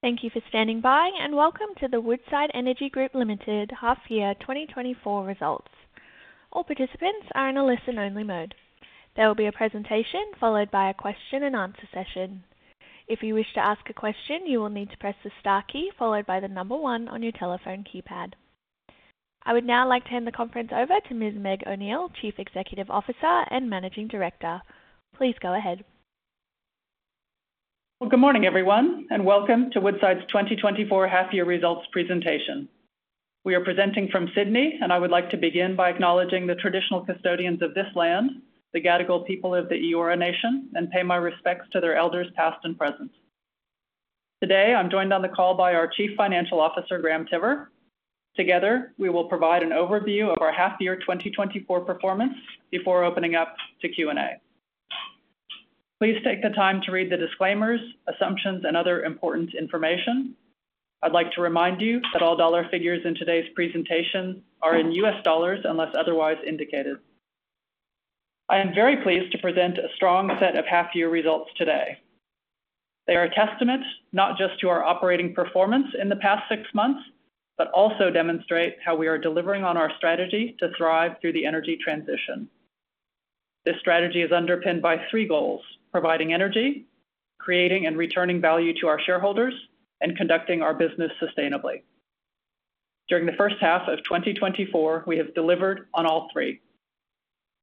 Thank you for standing by, and welcome to the Woodside Energy Group Ltd Half Year 2024 Results. All participants are in a listen-only mode. There will be a presentation followed by a question-and-answer session. If you wish to ask a question, you will need to press the star key followed by the number one on your telephone keypad. I would now like to hand the conference over to Ms. Meg O'Neill, Chief Executive Officer and Managing Director. Please go ahead. Good morning, everyone, and welcome to Woodside's 2024 Half Year Results presentation. We are presenting from Sydney, and I would like to begin by acknowledging the Traditional Custodians of this land, the Gadigal People of the Eora Nation, and pay my respects to their elders, past and present. Today, I'm joined on the call by our Chief Financial Officer, Graham Tiver. Together, we will provide an overview of our half year 2024 performance before opening up to Q&A. Please take the time to read the disclaimers, assumptions, and other important information. I'd like to remind you that all dollar figures in today's presentation are in U.S. dollars, unless otherwise indicated. I am very pleased to present a strong set of half-year results today. They are a testament not just to our operating performance in the past six months, but also demonstrate how we are delivering on our strategy to thrive through the energy transition. This strategy is underpinned by three goals: providing energy, creating and returning value to our shareholders, and conducting our business sustainably. During the first half of 2024, we have delivered on all three.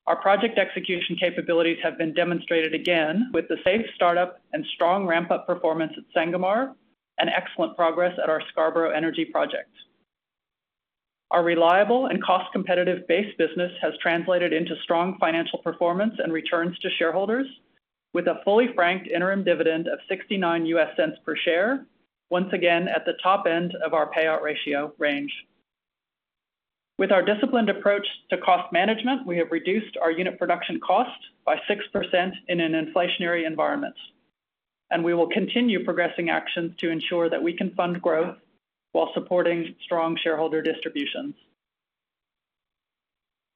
Our project execution capabilities have been demonstrated again with the safe start-up and strong ramp-up performance at Sangomar and excellent progress at our Scarborough Energy Project. Our reliable and cost-competitive base business has translated into strong financial performance and returns to shareholders with a fully franked interim dividend of $0.69 per share, once again at the top end of our payout ratio range. With our disciplined approach to cost management, we have reduced our unit production cost by 6% in an inflationary environment, and we will continue progressing actions to ensure that we can fund growth while supporting strong shareholder distributions.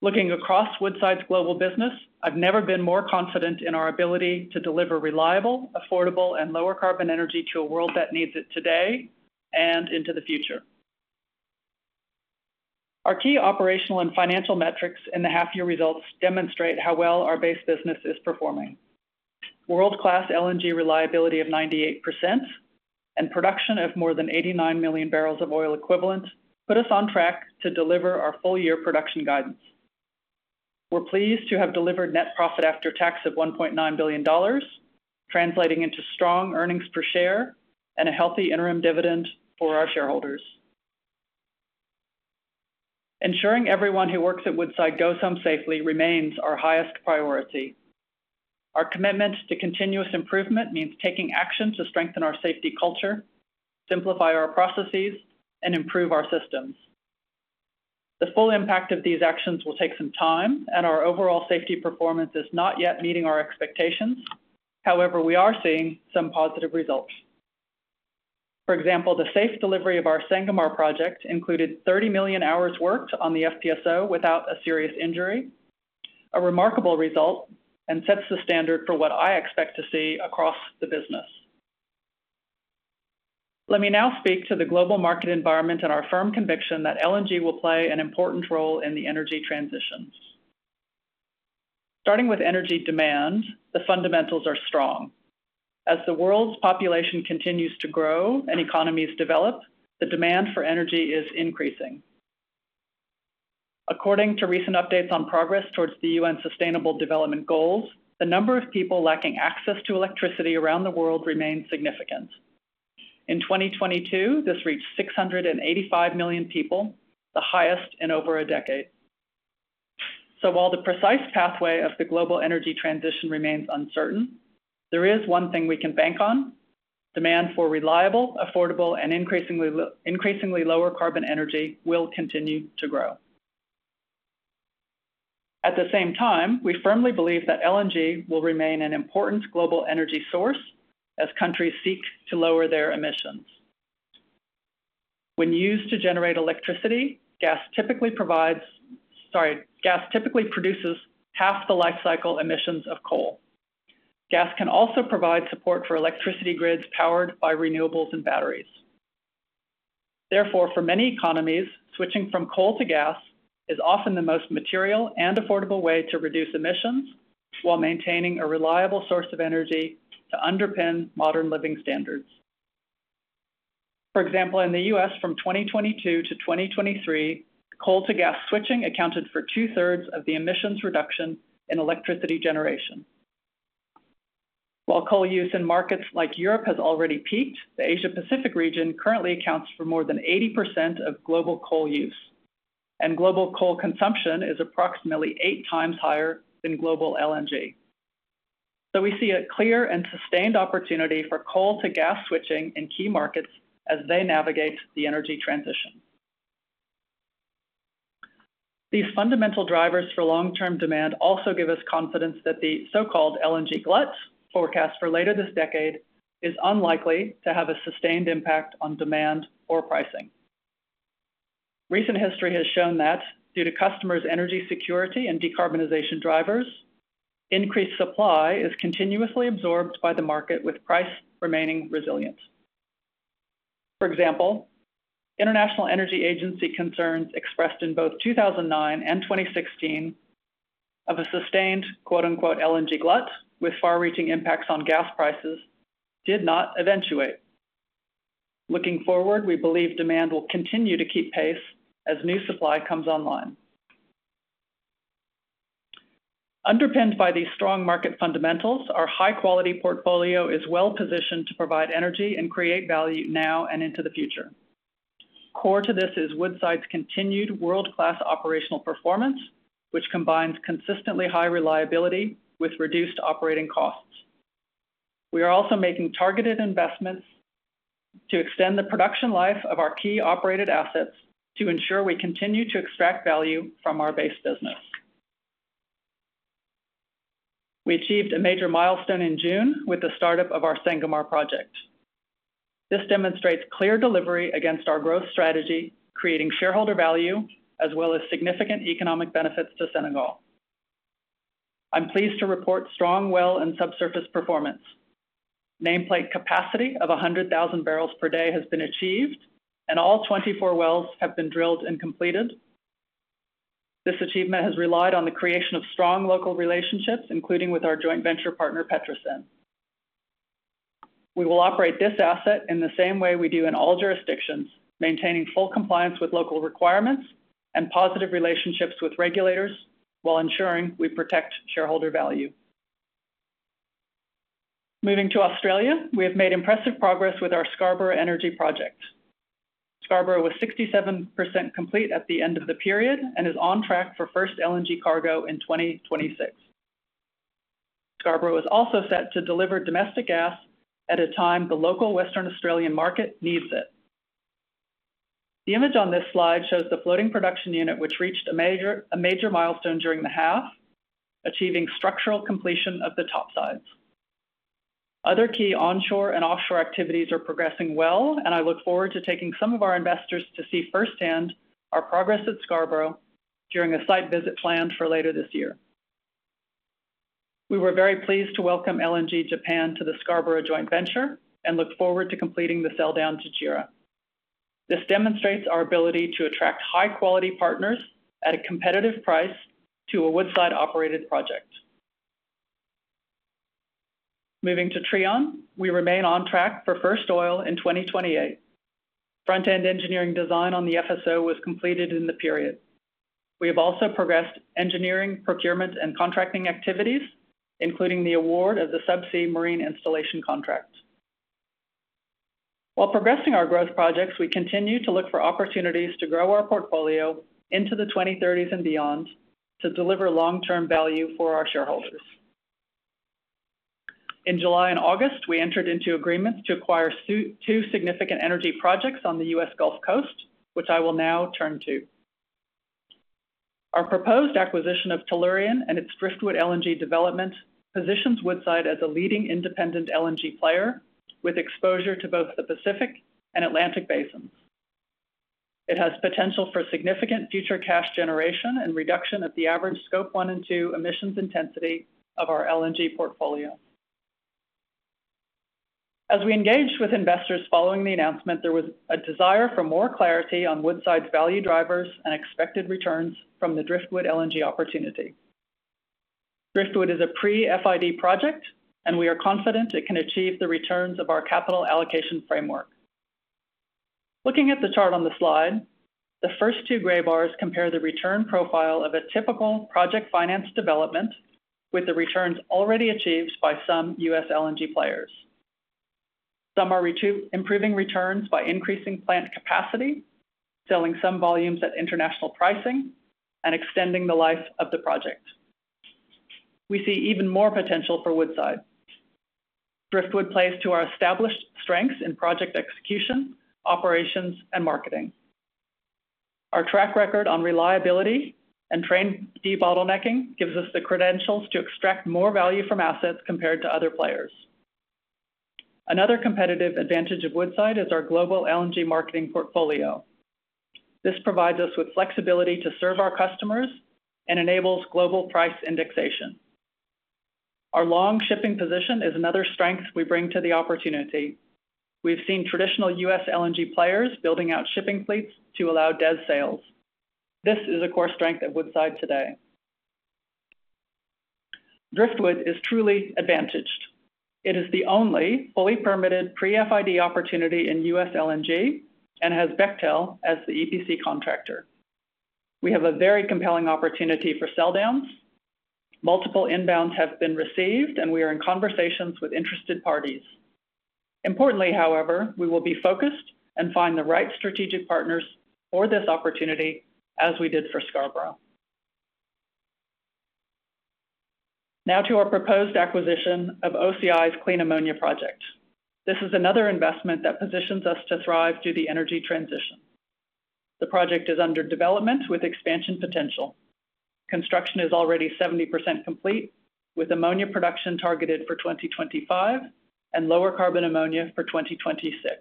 Looking across Woodside's global business, I've never been more confident in our ability to deliver reliable, affordable, and lower carbon energy to a world that needs it today and into the future. Our key operational and financial metrics in the half-year results demonstrate how well our base business is performing. World-class LNG reliability of 98% and production of more than 89 million barrels of oil equivalent, put us on track to deliver our full-year production guidance. We're pleased to have delivered net profit after tax of $1.9 billion, translating into strong earnings per share and a healthy interim dividend for our shareholders. Ensuring everyone who works at Woodside goes home safely remains our highest priority. Our commitment to continuous improvement means taking action to strengthen our safety culture, simplify our processes, and improve our systems. The full impact of these actions will take some time, and our overall safety performance is not yet meeting our expectations. However, we are seeing some positive results. For example, the safe delivery of our Sangomar project included 30 million hours worked on the FPSO without a serious injury, a remarkable result, and sets the standard for what I expect to see across the business. Let me now speak to the global market environment and our firm conviction that LNG will play an important role in the energy transition. Starting with energy demand, the fundamentals are strong. As the world's population continues to grow and economies develop, the demand for energy is increasing. According to recent updates on progress towards the UN's Sustainable Development Goals, the number of people lacking access to electricity around the world remains significant. In 2022, this reached 685 million people, the highest in over a decade. So while the precise pathway of the global energy transition remains uncertain, there is one thing we can bank on: demand for reliable, affordable, and increasingly lower carbon energy will continue to grow. At the same time, we firmly believe that LNG will remain an important global energy source as countries seek to lower their emissions. When used to generate electricity, gas typically produces half the lifecycle emissions of coal. Gas can also provide support for electricity grids powered by renewables and batteries. Therefore, for many economies, switching from coal-to-gas is often the most material and affordable way to reduce emissions while maintaining a reliable source of energy to underpin modern living standards. For example, in the U.S., from 2022 to 2023, coal-to-gas switching accounted for two-thirds of the emissions reduction in electricity generation. While coal use in markets like Europe has already peaked, the Asia Pacific region currently accounts for more than 80% of global coal use, and global coal consumption is approximately 8x higher than global LNG. So we see a clear and sustained opportunity for coal-to-gas switching in key markets as they navigate the energy transition. These fundamental drivers for long-term demand also give us confidence that the so-called LNG glut forecast for later this decade is unlikely to have a sustained impact on demand or pricing. Recent history has shown that due to customers' energy security and decarbonization drivers, increased supply is continuously absorbed by the market, with price remaining resilient. For example, International Energy Agency concerns expressed in both 2009 and 2016 of a sustained "LNG glut" with far-reaching impacts on gas prices did not eventuate. Looking forward, we believe demand will continue to keep pace as new supply comes online. Underpinned by these strong market fundamentals, our high-quality portfolio is well-positioned to provide energy and create value now and into the future. Core to this is Woodside's continued world-class operational performance, which combines consistently high reliability with reduced operating costs. We are also making targeted investments to extend the production life of our key operated assets to ensure we continue to extract value from our base business. We achieved a major milestone in June with the startup of our Sangomar project. This demonstrates clear delivery against our growth strategy, creating shareholder value as well as significant economic benefits to Senegal. I'm pleased to report strong well and subsurface performance. Nameplate capacity of 100,000 barrels per day has been achieved, and all 24 wells have been drilled and completed. This achievement has relied on the creation of strong local relationships, including with our joint venture partner, PETROSEN. We will operate this asset in the same way we do in all jurisdictions, maintaining full compliance with local requirements and positive relationships with regulators while ensuring we protect shareholder value. Moving to Australia, we have made impressive progress with our Scarborough Energy Project. Scarborough was 67% complete at the end of the period and is on track for first LNG cargo in 2026. Scarborough is also set to deliver domestic gas at a time the local Western Australian market needs it. The image on this slide shows the floating production unit, which reached a major milestone during the half, achieving structural completion of the top sides. Other key onshore and offshore activities are progressing well, and I look forward to taking some of our investors to see firsthand our progress at Scarborough during a site visit planned for later this year. We were very pleased to welcome LNG Japan to the Scarborough Joint Venture and look forward to completing the selldown to JERA. This demonstrates our ability to attract high-quality partners at a competitive price to a Woodside-operated project. Moving to Trion, we remain on track for first oil in 2028. Front-end engineering design on the FSO was completed in the period. We have also progressed engineering, procurement, and contracting activities, including the award of the subsea marine installation contract. While progressing our growth projects, we continue to look for opportunities to grow our portfolio into the 2030s and beyond to deliver long-term value for our shareholders. In July and August, we entered into agreements to acquire two significant energy projects on the U.S. Gulf Coast, which I will now turn to. Our proposed acquisition of Tellurian and its Driftwood LNG development positions Woodside as a leading independent LNG player with exposure to both the Pacific and Atlantic basins. It has potential for significant future cash generation and reduction of the average Scope 1 and 2 emissions intensity of our LNG portfolio. As we engaged with investors following the announcement, there was a desire for more clarity on Woodside's value drivers and expected returns from the Driftwood LNG opportunity. Driftwood is a pre-FID project, and we are confident it can achieve the returns of our capital allocation framework. Looking at the chart on the slide, the first two gray bars compare the return profile of a typical project finance development with the returns already achieved by some U.S. LNG players. Some are improving returns by increasing plant capacity, selling some volumes at international pricing, and extending the life of the project. We see even more potential for Woodside. Driftwood plays to our established strengths in project execution, operations, and marketing. Our track record on reliability and train debottlenecking gives us the credentials to extract more value from assets compared to other players. Another competitive advantage of Woodside is our global LNG marketing portfolio. This provides us with flexibility to serve our customers and enables global price indexation. Our long shipping position is another strength we bring to the opportunity. We've seen traditional U.S. LNG players building out shipping fleets to allow DES sales. This is a core strength of Woodside today. Driftwood is truly advantaged. It is the only fully permitted pre-FID opportunity in U.S. LNG and has Bechtel as the EPC contractor. We have a very compelling opportunity for selldowns. Multiple inbounds have been received, and we are in conversations with interested parties. Importantly, however, we will be focused and find the right strategic partners for this opportunity, as we did for Scarborough. Now to our proposed acquisition of OCI's Clean Ammonia project. This is another investment that positions us to thrive through the energy transition. The project is under development with expansion potential. Construction is already 70% complete, with ammonia production targeted for 2025, and lower carbon ammonia for 2026.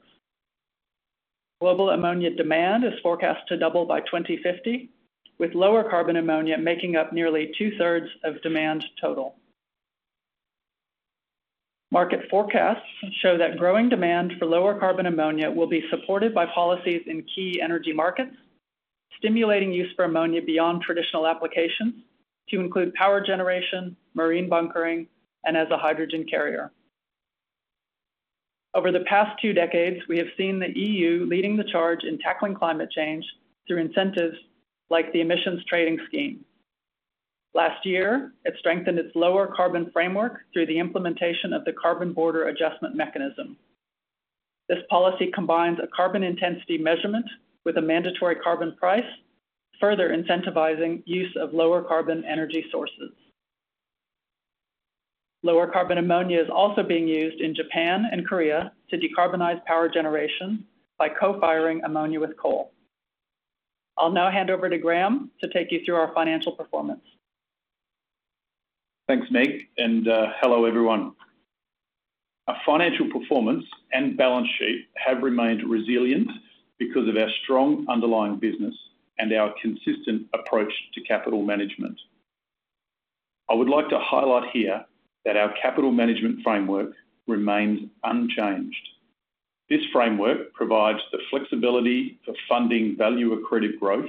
Global ammonia demand is forecast to double by 2050, with lower carbon ammonia making up nearly two-thirds of demand total. Market forecasts show that growing demand for lower carbon ammonia will be supported by policies in key energy markets, stimulating use for ammonia beyond traditional applications to include power generation, marine bunkering, and as a hydrogen carrier. Over the past two decades, we have seen the EU leading the charge in tackling climate change through incentives like the Emissions Trading Scheme. Last year, it strengthened its lower carbon framework through the implementation of the Carbon Border Adjustment Mechanism. This policy combines a carbon intensity measurement with a mandatory carbon price, further incentivizing use of lower carbon energy sources. Lower carbon ammonia is also being used in Japan and Korea to decarbonize power generation by co-firing ammonia with coal. I'll now hand over to Graham to take you through our financial performance. Thanks, Meg, and hello, everyone. Our financial performance and balance sheet have remained resilient because of our strong underlying business and our consistent approach to capital management. I would like to highlight here that our capital management framework remains unchanged. This framework provides the flexibility for funding value-accretive growth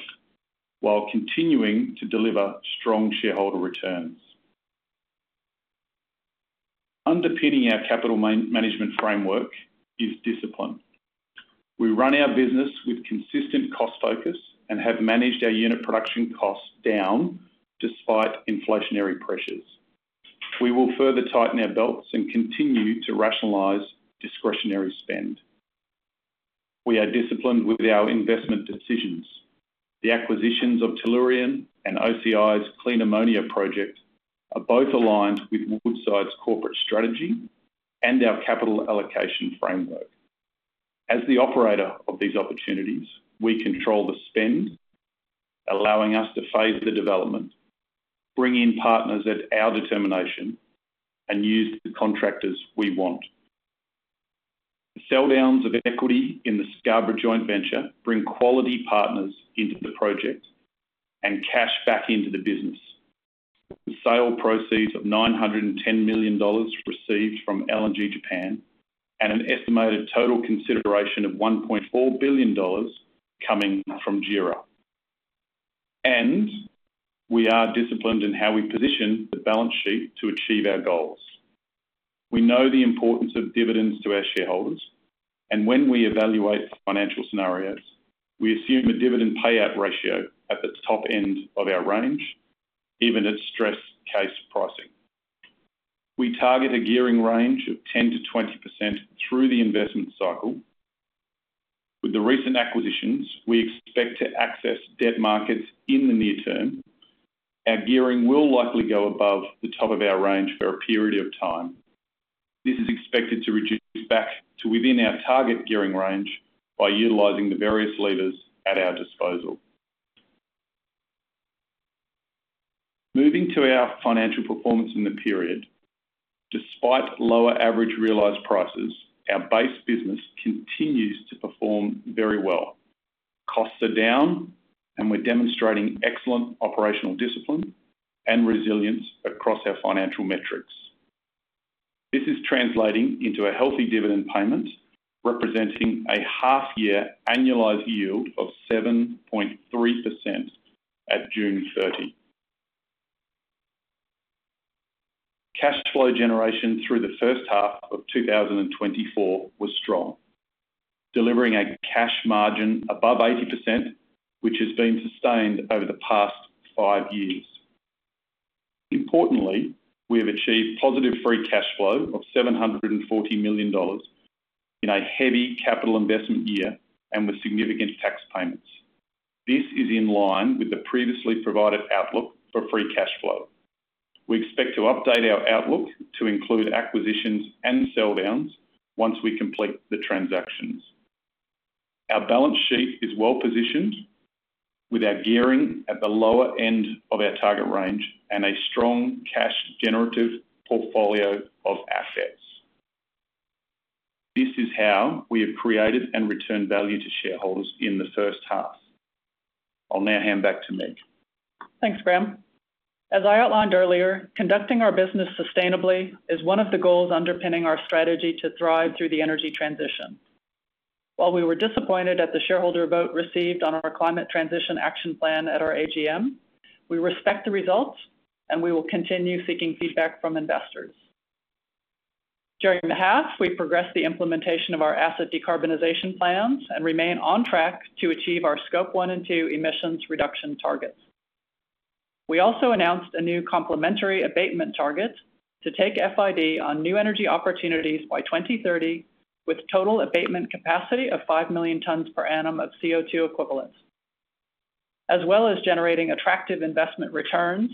while continuing to deliver strong shareholder returns. Underpinning our capital management framework is discipline. We run our business with consistent cost focus and have managed our unit production costs down despite inflationary pressures. We will further tighten our belts and continue to rationalize discretionary spend. We are disciplined with our investment decisions. The acquisitions of Tellurian and OCI's Clean Ammonia project are both aligned with Woodside's corporate strategy and our capital allocation framework. As the operator of these opportunities, we control the spend, allowing us to phase the development, bring in partners at our determination, and use the contractors we want. The selldowns of equity in the Scarborough joint venture bring quality partners into the project and cash back into the business. The sale proceeds of $910 million received from LNG Japan, and an estimated total consideration of $1.4 billion coming from JERA. And we are disciplined in how we position the balance sheet to achieve our goals. We know the importance of dividends to our shareholders, and when we evaluate financial scenarios, we assume a dividend payout ratio at the top end of our range, even at stress case pricing. We target a gearing range of 10%-20% through the investment cycle. With the recent acquisitions, we expect to access debt markets in the near term. Our gearing will likely go above the top of our range for a period of time. This is expected to reduce back to within our target gearing range by utilizing the various levers at our disposal. Moving to our financial performance in the period. Despite lower average realized prices, our base business continues to perform very well. Costs are down, and we're demonstrating excellent operational discipline and resilience across our financial metrics. This is translating into a healthy dividend payment, representing a half-year annualized yield of 7.3% at June 30. Cash flow generation through the first half of 2024 was strong, delivering a cash margin above 80%, which has been sustained over the past five years. Importantly, we have achieved positive free cash flow of $740 million in a heavy capital investment year and with significant tax payments. This is in line with the previously provided outlook for free cash flow. We expect to update our outlook to include acquisitions and selldowns once we complete the transactions. Our balance sheet is well positioned, with our gearing at the lower end of our target range and a strong cash generative portfolio of assets. This is how we have created and returned value to shareholders in the first half. I'll now hand back to Meg. Thanks, Graham. As I outlined earlier, conducting our business sustainably is one of the goals underpinning our strategy to thrive through the energy transition. While we were disappointed at the shareholder vote received on our Climate Transition Action Plan at our AGM, we respect the results, and we will continue seeking feedback from investors. During the half, we progressed the implementation of our asset decarbonization plans and remain on track to achieve our Scope 1 and 2 emissions reduction targets. We also announced a new complementary abatement target to take FID on new energy opportunities by 2030, with total abatement capacity of five million tons per annum of CO2 equivalents. As well as generating attractive investment returns,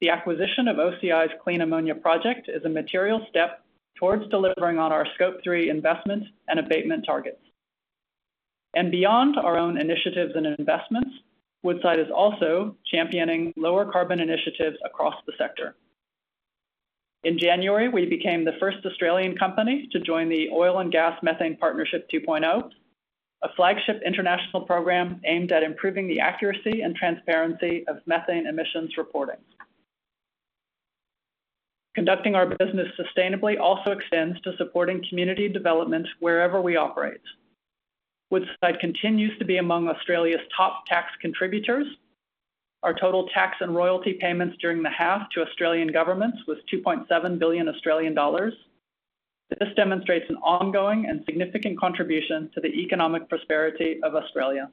the acquisition of OCI's Clean Ammonia project is a material step towards delivering on our Scope 3 investments and abatement targets. And beyond our own initiatives and investments, Woodside is also championing lower carbon initiatives across the sector. In January, we became the first Australian company to join the Oil and Gas Methane Partnership 2.0, a flagship international program aimed at improving the accuracy and transparency of methane emissions reporting. Conducting our business sustainably also extends to supporting community development wherever we operate. Woodside continues to be among Australia's top tax contributors. Our total tax and royalty payments during the half to Australian governments was 2.7 billion Australian dollars. This demonstrates an ongoing and significant contribution to the economic prosperity of Australia.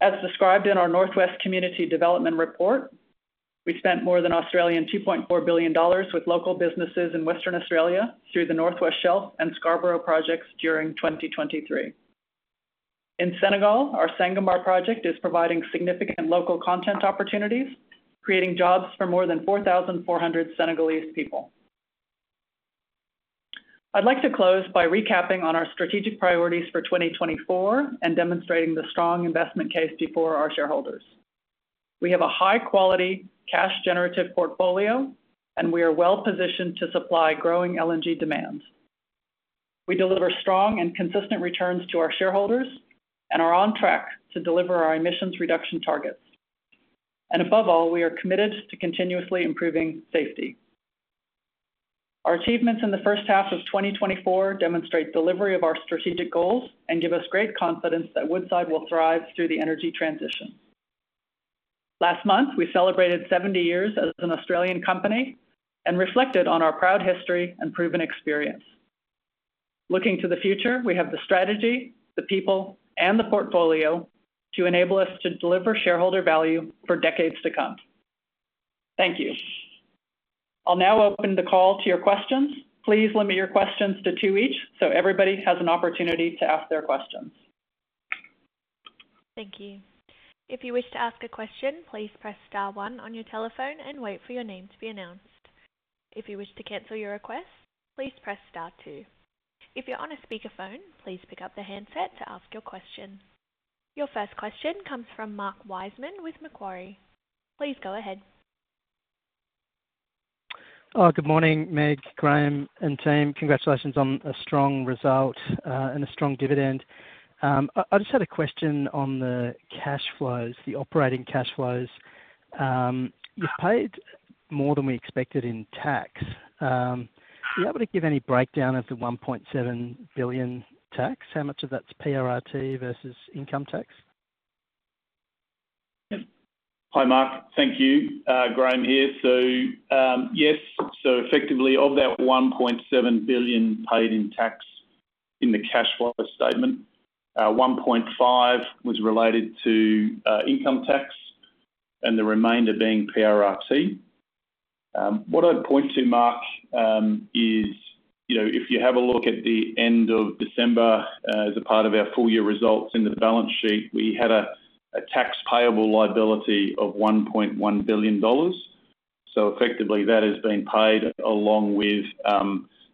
As described in our North West Community Development Report, we spent more than 2.4 billion Australian dollars with local businesses in Western Australia through the North West Shelf and Scarborough projects during 2023. In Senegal, our Sangomar project is providing significant local content opportunities, creating jobs for more than 4,400 Senegalese people. I'd like to close by recapping on our strategic priorities for 2024 and demonstrating the strong investment case before our shareholders. We have a high-quality, cash-generative portfolio, and we are well-positioned to supply growing LNG demand. We deliver strong and consistent returns to our shareholders and are on track to deliver our emissions reduction targets, and above all, we are committed to continuously improving safety. Our achievements in the first half of 2024 demonstrate delivery of our strategic goals and give us great confidence that Woodside will thrive through the energy transition. Last month, we celebrated 70 years as an Australian company and reflected on our proud history and proven experience. Looking to the future, we have the strategy, the people, and the portfolio to enable us to deliver shareholder value for decades to come. Thank you. I'll now open the call to your questions. Please limit your questions to two each, so everybody has an opportunity to ask their questions. Thank you. If you wish to ask a question, please press star one on your telephone and wait for your name to be announced. If you wish to cancel your request, please press star two. If you're on a speakerphone, please pick up the handset to ask your question. Your first question comes from Mark Wiseman with Macquarie. Please go ahead. Good morning, Meg, Graham, and team. Congratulations on a strong result, and a strong dividend. I just had a question on the cash flows, the operating cash flows. You've paid more than we expected in tax. Are you able to give any breakdown of the $1.7 billion tax? How much of that's PRRT versus income tax? Hi, Mark. Thank you. Graham here. So, yes, so effectively, of that $1.7 billion paid in tax in the cash flow statement, $1.5 billion was related to income tax, and the remainder being PRRT. What I'd point to, Mark, is, you know, if you have a look at the end of December, as a part of our full year results in the balance sheet, we had a tax payable liability of $1.1 billion. So effectively, that has been paid along with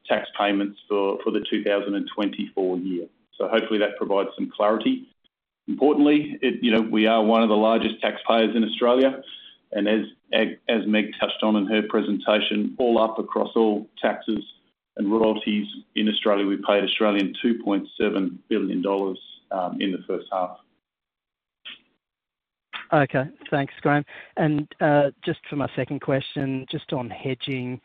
tax payments for the 2024 year. So hopefully that provides some clarity. Importantly, you know, we are one of the largest taxpayers in Australia, and as Meg touched on in her presentation, all up across all taxes and royalties in Australia, we paid 2.7 billion Australian dollars in the first half. Okay. Thanks, Graham. And just for my second question, just on hedging,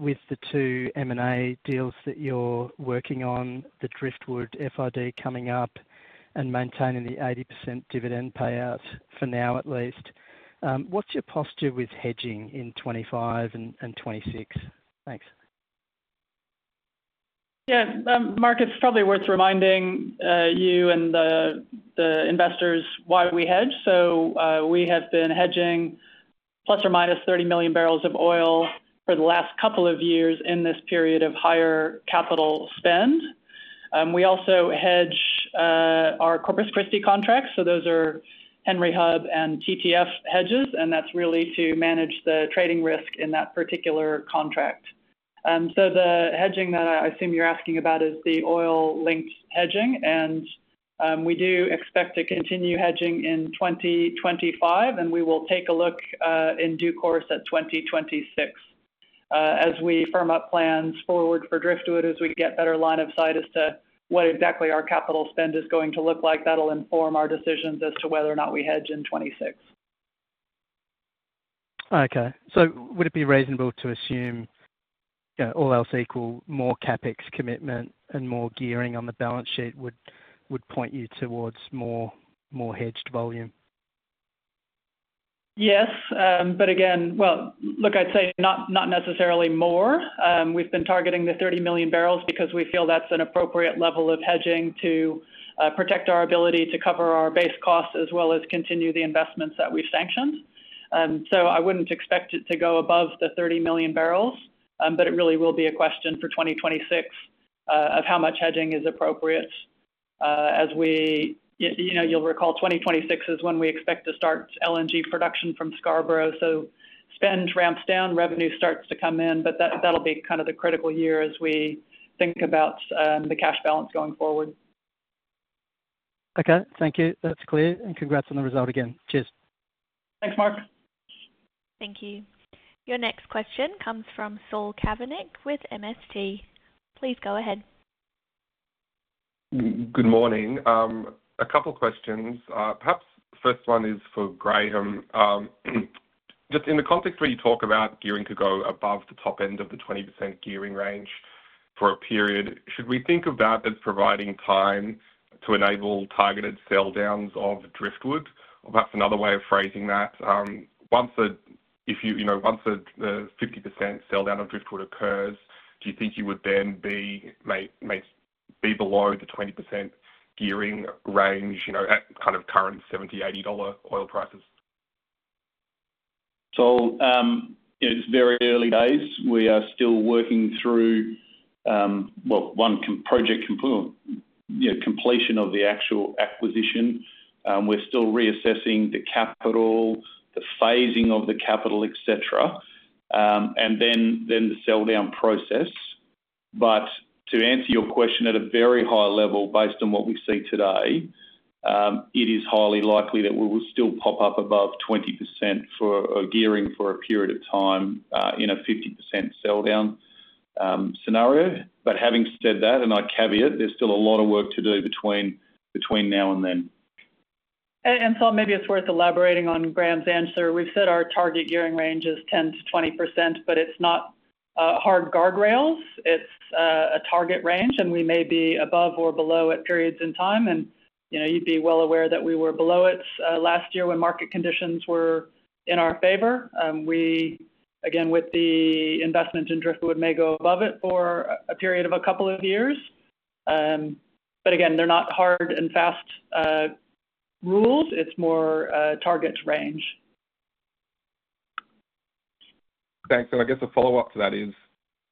with the two M&A deals that you're working on, the Driftwood FID coming up and maintaining the 80% dividend payout for now at least, what's your posture with hedging in 2025 and 2026? Thanks. Yeah. Mark, it's probably worth reminding you and the investors why we hedge. So, we have been hedging plus or minus 30 million barrels of oil for the last couple of years in this period of higher capital spend. We also hedge our Corpus Christi contracts, so those are Henry Hub and TTF hedges, and that's really to manage the trading risk in that particular contract. So, the hedging that I assume you're asking about is the oil-linked hedging, and we do expect to continue hedging in 2025, and we will take a look in due course at 2026. As we firm up plans forward for Driftwood, as we get better line of sight as to what exactly our capital spend is going to look like, that'll inform our decisions as to whether or not we hedge in 2026. Okay. So would it be reasonable to assume, you know, all else equal, more CapEx commitment and more gearing on the balance sheet would point you towards more hedged volume? Yes. But again, well, look, I'd say not, not necessarily more. We've been targeting the 30 million barrels because we feel that's an appropriate level of hedging to protect our ability to cover our base costs, as well as continue the investments that we've sanctioned. So I wouldn't expect it to go above the 30 million barrels, but it really will be a question for 2026 of how much hedging is appropriate. As we, you know, you'll recall, 2026 is when we expect to start LNG production from Scarborough. So spend ramps down, revenue starts to come in, but that, that'll be kind of the critical year as we think about the cash balance going forward. Okay, thank you. That's clear, and congrats on the result again. Cheers. Thanks, Mark. Thank you. Your next question comes from Saul Kavonic with MST. Please go ahead. Good morning. A couple questions. Perhaps the first one is for Graham. Just in the context where you talk about gearing to go above the top end of the 20% gearing range for a period, should we think about as providing time to enable targeted selldowns of Driftwood? Or perhaps another way of phrasing that, once the 50% selldown of Driftwood occurs, do you think you would then be, may be below the 20% gearing range, you know, at kind of current $70-$80 oil prices? It's very early days. We are still working through, well, one, completion of the actual acquisition. We're still reassessing the capital, the phasing of the capital, et cetera, and then the selldown process. But to answer your question at a very high level, based on what we see today, it is highly likely that we will still pop up above 20% for a gearing for a period of time, in a 50% selldown, scenario. But having said that, and I caveat, there's still a lot of work to do between now and then. And so maybe it's worth elaborating on Graham's answer. We've said our target gearing range is 10%-20%, but it's not hard guardrails. It's a target range, and we may be above or below at periods in time. And, you know, you'd be well aware that we were below it last year when market conditions were in our favor. We, again, with the investment in Driftwood, may go above it for a period of a couple of years. But again, they're not hard and fast rules. It's more a target range. Thanks. So I guess a follow-up to that is,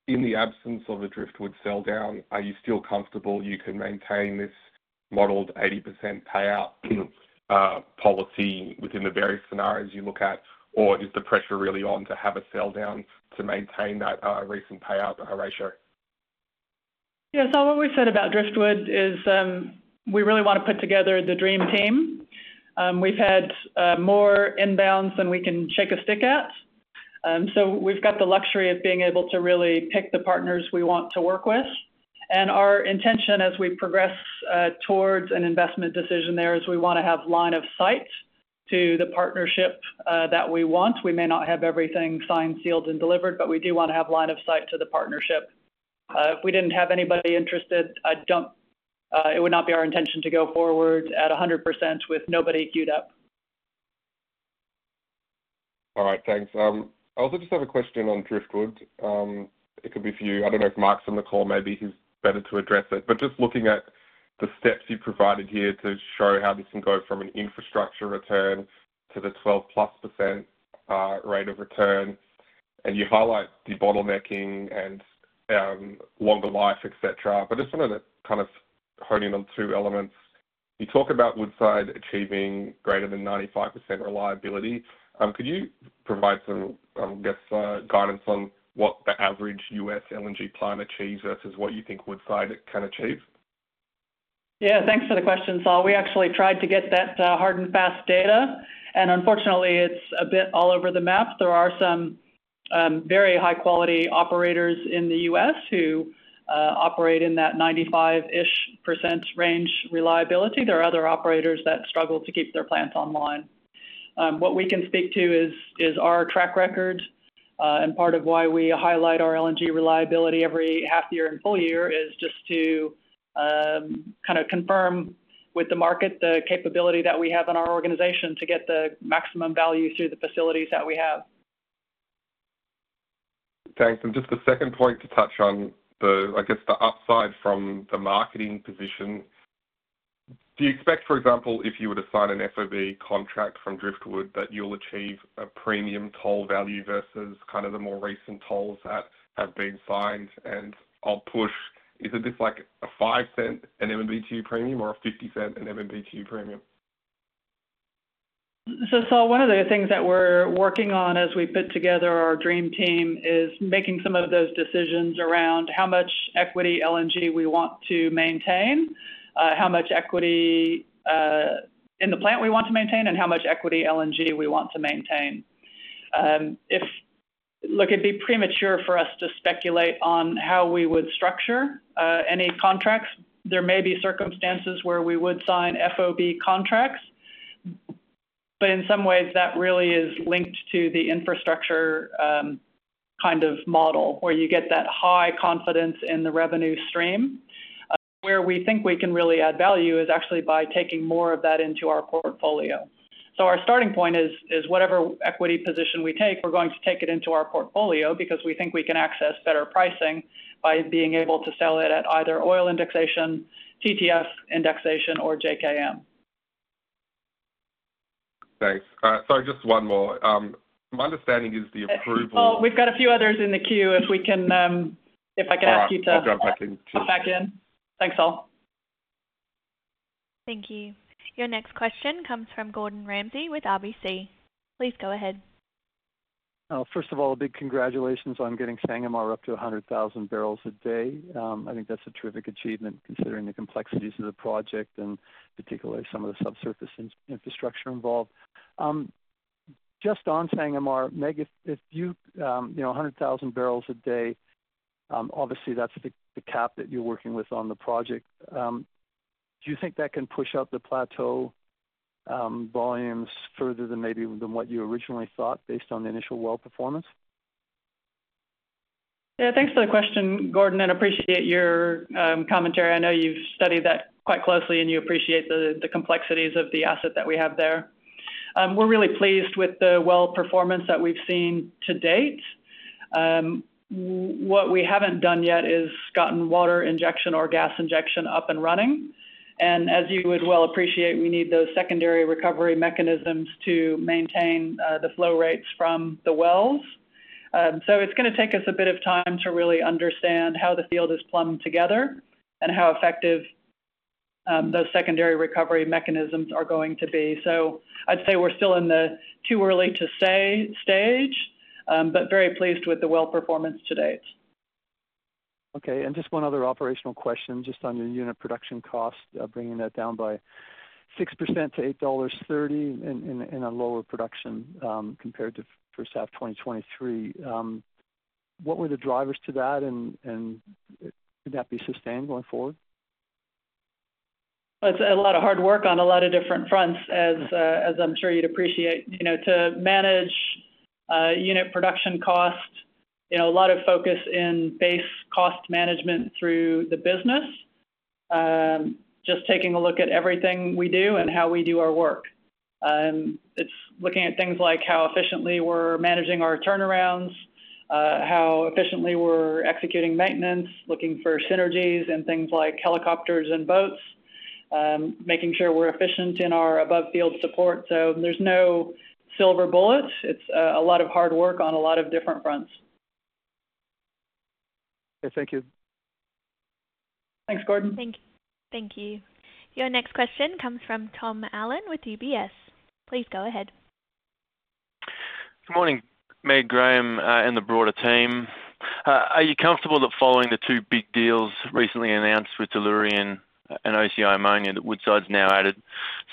in the absence of a Driftwood selldown, are you still comfortable you can maintain this modeled 80% payout, policy within the various scenarios you look at? Or is the pressure really on to have a selldown to maintain that, recent payout ratio? Yeah, so what we said about Driftwood is, we really want to put together the dream team. We've had more inbounds than we can shake a stick at, so we've got the luxury of being able to really pick the partners we want to work with, and our intention as we progress towards an investment decision there is we want to have line of sight to the partnership that we want. We may not have everything signed, sealed, and delivered, but we do want to have line of sight to the partnership. If we didn't have anybody interested, it would not be our intention to go forward at 100% with nobody queued up. All right, thanks. I also just have a question on Driftwood. It could be for you. I don't know if Mark's on the call, maybe he's better to address it. But just looking at the steps you've provided here to show how this can go from an infrastructure return to the 12+% rate of return, and you highlight the bottlenecking and, longer life, et cetera. But just want to kind of hone in on two elements. You talk about Woodside achieving greater than 95% reliability. Could you provide some, I guess, guidance on what the average U.S. LNG plant achieves versus what you think Woodside can achieve? Yeah, thanks for the question, Saul. We actually tried to get that hard and fast data, and unfortunately, it's a bit all over the map. There are some very high-quality operators in the U.S. who operate in that 95%-ish range reliability. There are other operators that struggle to keep their plants online. What we can speak to is our track record, and part of why we highlight our LNG reliability every half year and full year is just to kind of confirm with the market the capability that we have in our organization to get the maximum value through the facilities that we have. Thanks. And just the second point to touch on, I guess, the upside from the marketing position. Do you expect, for example, if you were to sign an FOB contract from Driftwood, that you'll achieve a premium toll value versus kind of the more recent tolls that have been signed? And I'll push, is it just like a $0.05 MMBtu premium or a $0.50 MMBtu premium? Saul, one of the things that we're working on as we put together our dream team is making some of those decisions around how much equity LNG we want to maintain, how much equity in the plant we want to maintain, and how much equity LNG we want to maintain. Look, it'd be premature for us to speculate on how we would structure any contracts. There may be circumstances where we would sign FOB contracts, but in some ways, that really is linked to the infrastructure kind of model, where you get that high confidence in the revenue stream. Where we think we can really add value is actually by taking more of that into our portfolio. Our starting point is whatever equity position we take. We're going to take it into our portfolio because we think we can access better pricing by being able to sell it at either oil indexation, TTF indexation, or JKM. Thanks. Sorry, just one more. My understanding is the approval- We've got a few others in the queue, if we can, if I can ask you to- All right, I'll jump back in. Jump back in. Thanks, Saul. Thank you. Your next question comes from Gordon Ramsay with RBC. Please go ahead. First of all, a big congratulations on getting Sangomar up to 100,000 barrels a day. I think that's a terrific achievement, considering the complexities of the project and particularly some of the subsurface infrastructure involved. Just on Sangomar, Meg, if you, you know, 100,000 barrels a day, obviously that's the cap that you're working with on the project. Do you think that can push out the plateau volumes further than maybe what you originally thought based on the initial well performance? Yeah, thanks for the question, Gordon, and appreciate your commentary. I know you've studied that quite closely, and you appreciate the complexities of the asset that we have there. We're really pleased with the well performance that we've seen to date. What we haven't done yet is gotten water injection or gas injection up and running, and as you would well appreciate, we need those secondary recovery mechanisms to maintain the flow rates from the wells. So it's gonna take us a bit of time to really understand how the field is plumbed together and how effective those secondary recovery mechanisms are going to be. So I'd say we're still in the too early to say stage, but very pleased with the well performance to date. Okay, and just one other operational question, just on your unit production cost, bringing that down by 6% to $8.30 in a lower production, compared to first half of 2023. What were the drivers to that, and could that be sustained going forward? It's a lot of hard work on a lot of different fronts as, as I'm sure you'd appreciate, you know, to manage unit production cost, you know, a lot of focus in base cost management through the business. Just taking a look at everything we do and how we do our work. It's looking at things like how efficiently we're managing our turnarounds, how efficiently we're executing maintenance, looking for synergies and things like helicopters and boats, making sure we're efficient in our above field support. So there's no silver bullet. It's a lot of hard work on a lot of different fronts. Okay, thank you. Thanks, Gordon. Thank you. Your next question comes from Tom Allen with UBS. Please go ahead. Good morning, Meg, Graham, and the broader team. Are you comfortable that following the two big deals recently announced with Tellurian and OCI Ammonia, that Woodside's now added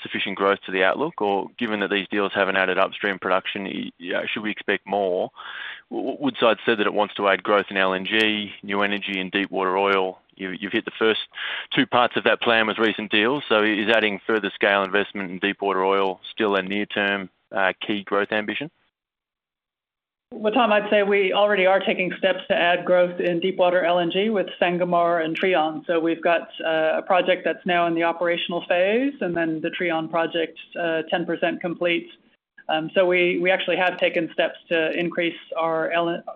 sufficient growth to the outlook? Or given that these deals haven't added upstream production, should we expect more? Woodside said that it wants to add growth in LNG, new energy and deepwater oil. You've hit the first two parts of that plan with recent deals, so is adding further scale investment in deepwater oil still a near-term key growth ambition? Tom, I'd say we already are taking steps to add growth in deepwater LNG with Sangomar and Trion. So we've got a project that's now in the operational phase, and then the Trion project 10% complete. So we actually have taken steps to increase our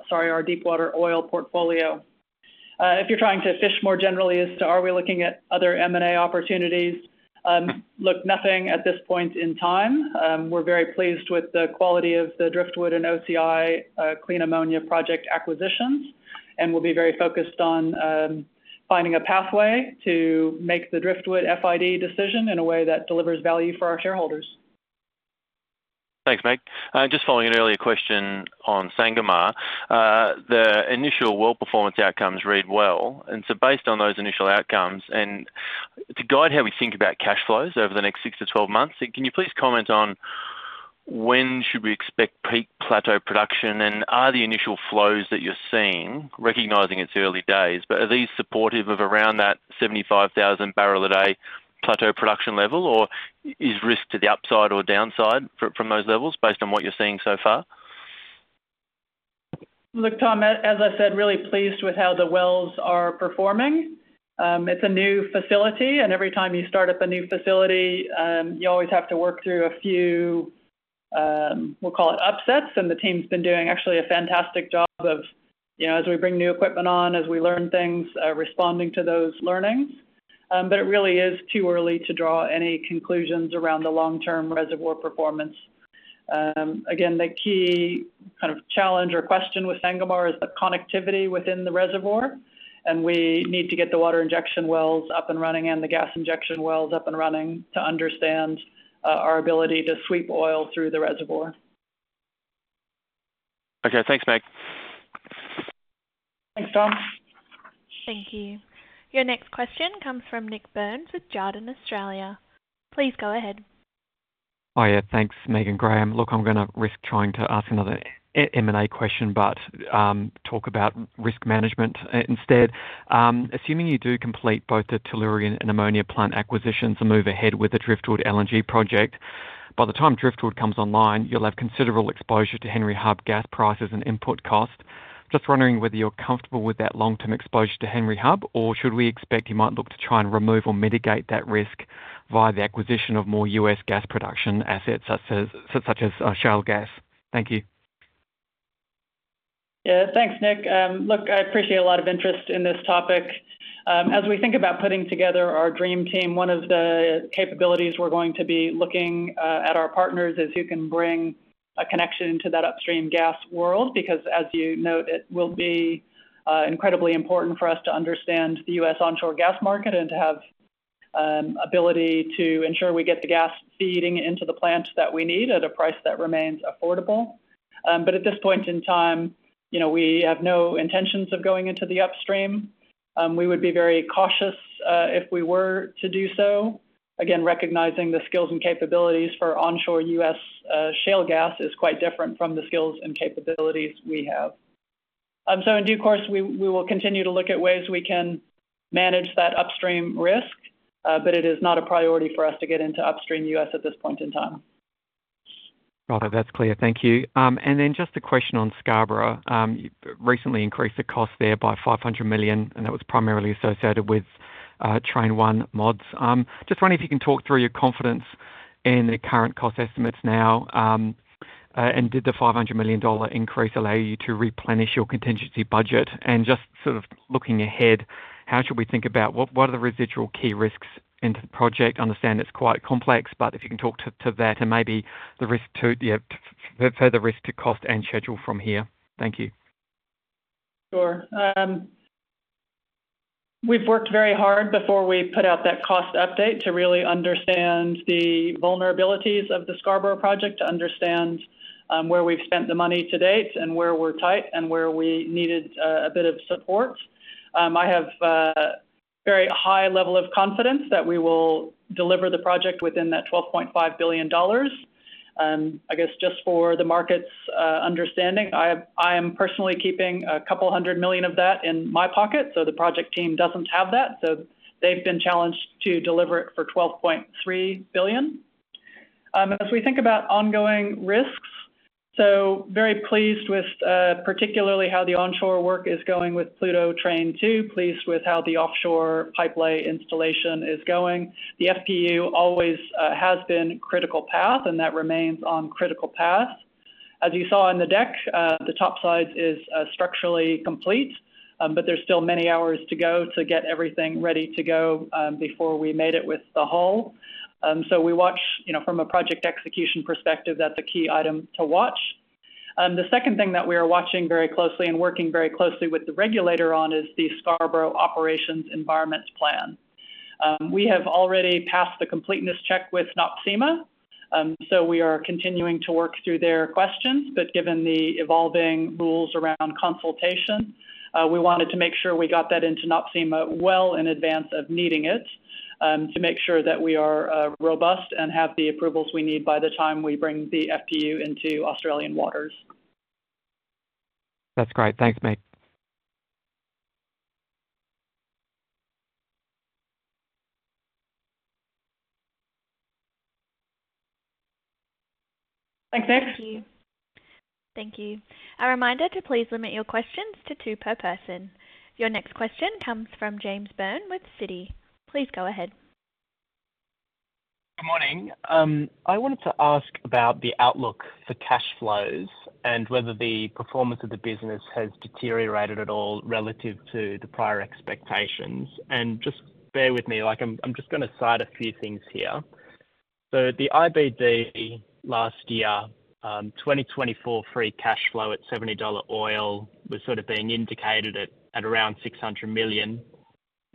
sorry, our deepwater oil portfolio. If you're trying to fish more generally as to are we looking at other M&A opportunities? Look, nothing at this point in time. We're very pleased with the quality of the Driftwood and OCI Clean Ammonia project acquisitions, and we'll be very focused on finding a pathway to make the Driftwood FID decision in a way that delivers value for our shareholders. Thanks, Meg. Just following an earlier question on Sangomar. The initial well performance outcomes read well, and so based on those initial outcomes, and to guide how we think about cash flows over the next six to twelve months, can you please comment on when should we expect peak plateau production? And are the initial flows that you're seeing, recognizing it's early days, but are these supportive of around that 75,000 barrel a day plateau production level, or is risk to the upside or downside from those levels based on what you're seeing so far? Look, Tom, as I said, really pleased with how the wells are performing. It's a new facility, and every time you start up a new facility, you always have to work through a few, we'll call it upsets, and the team's been doing actually a fantastic job of, you know, as we bring new equipment on, as we learn things, responding to those learnings. But it really is too early to draw any conclusions around the long-term reservoir performance. Again, the key kind of challenge or question with Sangomar is the connectivity within the reservoir, and we need to get the water injection wells up and running and the gas injection wells up and running to understand, our ability to sweep oil through the reservoir. Okay. Thanks, Meg. Thanks, Tom. Thank you. Your next question comes from Nik Burns with Jarden Australia. Please go ahead. Oh, yeah, thanks, Meg and Graham. Look, I'm gonna risk trying to ask another M&A question, but talk about risk management instead. Assuming you do complete both the Tellurian and Ammonia plant acquisitions and move ahead with the Driftwood LNG project, by the time Driftwood comes online, you'll have considerable exposure to Henry Hub gas prices and input costs. Just wondering whether you're comfortable with that long-term exposure to Henry Hub, or should we expect you might look to try and remove or mitigate that risk via the acquisition of more U.S. gas production assets, such as shale gas? Thank you. Yeah, thanks, Nik. Look, I appreciate a lot of interest in this topic. As we think about putting together our dream team, one of the capabilities we're going to be looking at our partners is who can bring a connection to that upstream gas world. Because as you note, it will be incredibly important for us to understand the U.S. onshore gas market and to have ability to ensure we get the gas feeding into the plant that we need at a price that remains affordable. But at this point in time, you know, we have no intentions of going into the upstream. We would be very cautious if we were to do so. Again, recognizing the skills and capabilities for onshore U.S. shale gas is quite different from the skills and capabilities we have. So in due course, we will continue to look at ways we can manage that upstream risk, but it is not a priority for us to get into upstream U.S. at this point in time. Got it. That's clear. Thank you. And then just a question on Scarborough. You recently increased the cost there by $500 million, and that was primarily associated with Train 1 mods. Just wondering if you can talk through your confidence in the current cost estimates now, and did the $500 million increase allow you to replenish your contingency budget? And just sort of looking ahead, how should we think about what are the residual key risks in the project? I understand it's quite complex, but if you can talk to that and maybe the risk to further risk to cost and schedule from here. Thank you. Sure. We've worked very hard before we put out that cost update to really understand the vulnerabilities of the Scarborough project, to understand where we've spent the money to date and where we're tight and where we needed a bit of support. I have very high level of confidence that we will deliver the project within that $12.5 billion. I guess, just for the market's understanding, I am personally keeping $200 million of that in my pocket, so the project team doesn't have that, so they've been challenged to deliver it for $12.3 billion. As we think about ongoing risks, so very pleased with particularly how the onshore work is going with Pluto Train 2, pleased with how the offshore pipelay installation is going. The FPU always has been critical path, and that remains on critical path. As you saw in the deck, the topsides is structurally complete, but there's still many hours to go to get everything ready to go before we mate it with the hull, so we watch, you know, from a project execution perspective, that's a key item to watch. The second thing that we are watching very closely and working very closely with the regulator on is the Scarborough Operations Environment Plan. We have already passed the completeness check with NOPSEMA, so we are continuing to work through their questions. But given the evolving rules around consultation, we wanted to make sure we got that into NOPSEMA well in advance of needing it, to make sure that we are robust and have the approvals we need by the time we bring the FPU into Australian waters. That's great. Thanks, Meg. Thanks, Nik. Thank you. Thank you. A reminder to please limit your questions to two per person. Your next question comes from James Byrne with Citi. Please go ahead. Good morning. I wanted to ask about the outlook for cash flows and whether the performance of the business has deteriorated at all relative to the prior expectations, and just bear with me, like, I'm just gonna cite a few things here, so the IBD last year, 2024 free cash flow at $70 oil was sort of being indicated at around $600 million.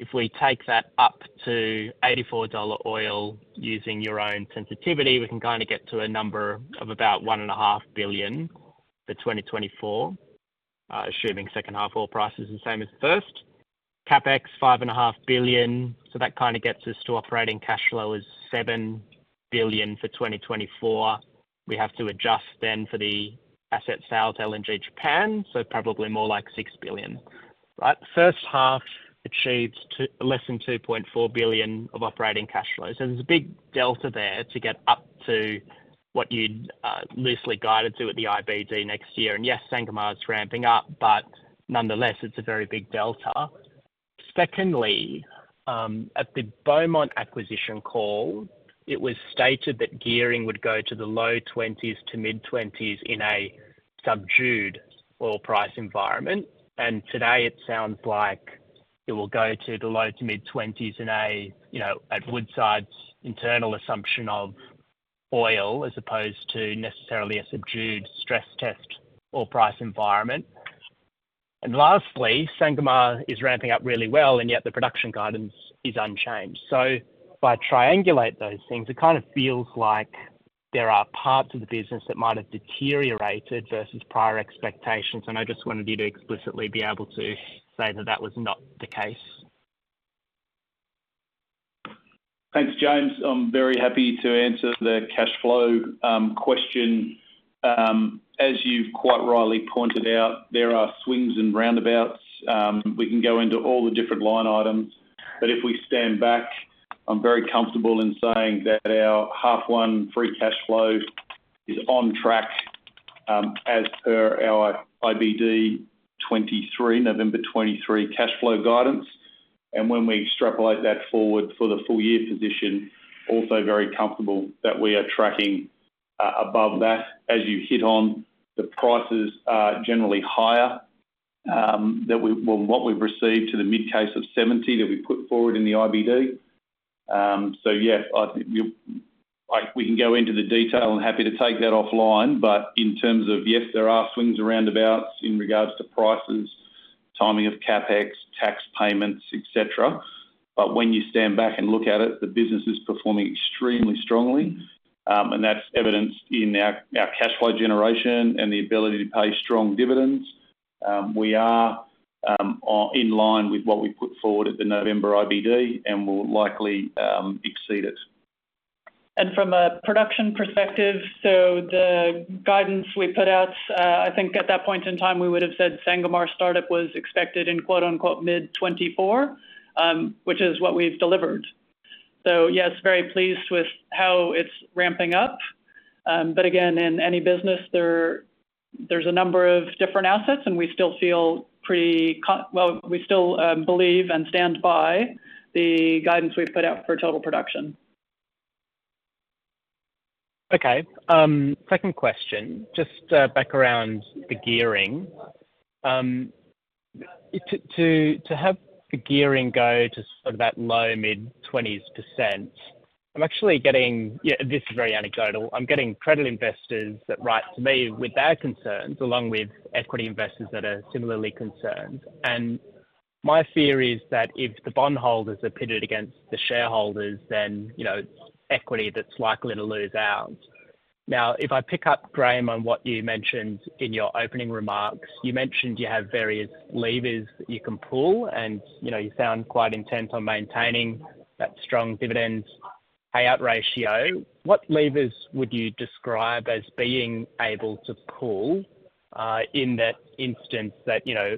If we take that up to $84 oil, using your own sensitivity, we can kind of get to a number of about $1.5 billion for 2024, assuming second half oil price is the same as the first. CapEx $5.5 billion, so that kind of gets us to operating cash flow is $7 billion for 2024. We have to adjust then for the asset sales, LNG Japan, so probably more like $6 billion. Right? First half achieved less than $2.4 billion of operating cash flows. So there's a big delta there to get up to what you'd loosely guided to at the IBD next year. And yes, Sangomar is ramping up, but nonetheless, it's a very big delta. Secondly, at the Beaumont acquisition call, it was stated that gearing would go to the low-20s to mid-20s in a subdued oil price environment, and today it sounds like it will go to the low-20s to mid-20s in a, you know, at Woodside's internal assumption of oil, as opposed to necessarily a subdued stress test oil price environment. And lastly, Sangomar is ramping up really well, and yet the production guidance is unchanged. So if I triangulate those things, it kind of feels like there are parts of the business that might have deteriorated versus prior expectations, and I just wanted you to explicitly be able to say that that was not the case. Thanks, James. I'm very happy to answer the cash flow question. As you've quite rightly pointed out, there are swings and roundabouts. We can go into all the different line items, but if we stand back, I'm very comfortable in saying that our half one free cash flow is on track, as per our IBD 2023, November 2023 cash flow guidance and when we extrapolate that forward for the full year position, also very comfortable that we are tracking above that. As you hit on, the prices are generally higher, well, what we've received to the mid case of $70 that we put forward in the IBD. So yeah, I think we can go into the detail. I'm happy to take that offline, but in terms of yes, there are swings and roundabouts in regards to prices, timing of CapEx, tax payments, et cetera. But when you stand back and look at it, the business is performing extremely strongly, and that's evidenced in our cash flow generation and the ability to pay strong dividends. We are in line with what we put forward at the November IBD, and will likely exceed it. And from a production perspective, so the guidance we put out, I think at that point in time, we would have said Sangomar startup was expected in "mid-2024," which is what we've delivered. So yes, very pleased with how it's ramping up. But again, in any business there, there's a number of different assets, and we still feel pretty confident. Well, we still believe and stand by the guidance we've put out for total production. Okay, second question, just back around the gearing. To have the gearing go to sort of that low-20%, mid-20%, I'm actually getting. Yeah, this is very anecdotal. I'm getting credit investors that write to me with their concerns, along with equity investors that are similarly concerned. And my fear is that if the bondholders are pitted against the shareholders, then, you know, equity that's likely to lose out. Now, if I pick up, Graham, on what you mentioned in your opening remarks, you mentioned you have various levers that you can pull, and, you know, you sound quite intent on maintaining that strong dividend payout ratio. What levers would you describe as being able to pull in that instance, that you know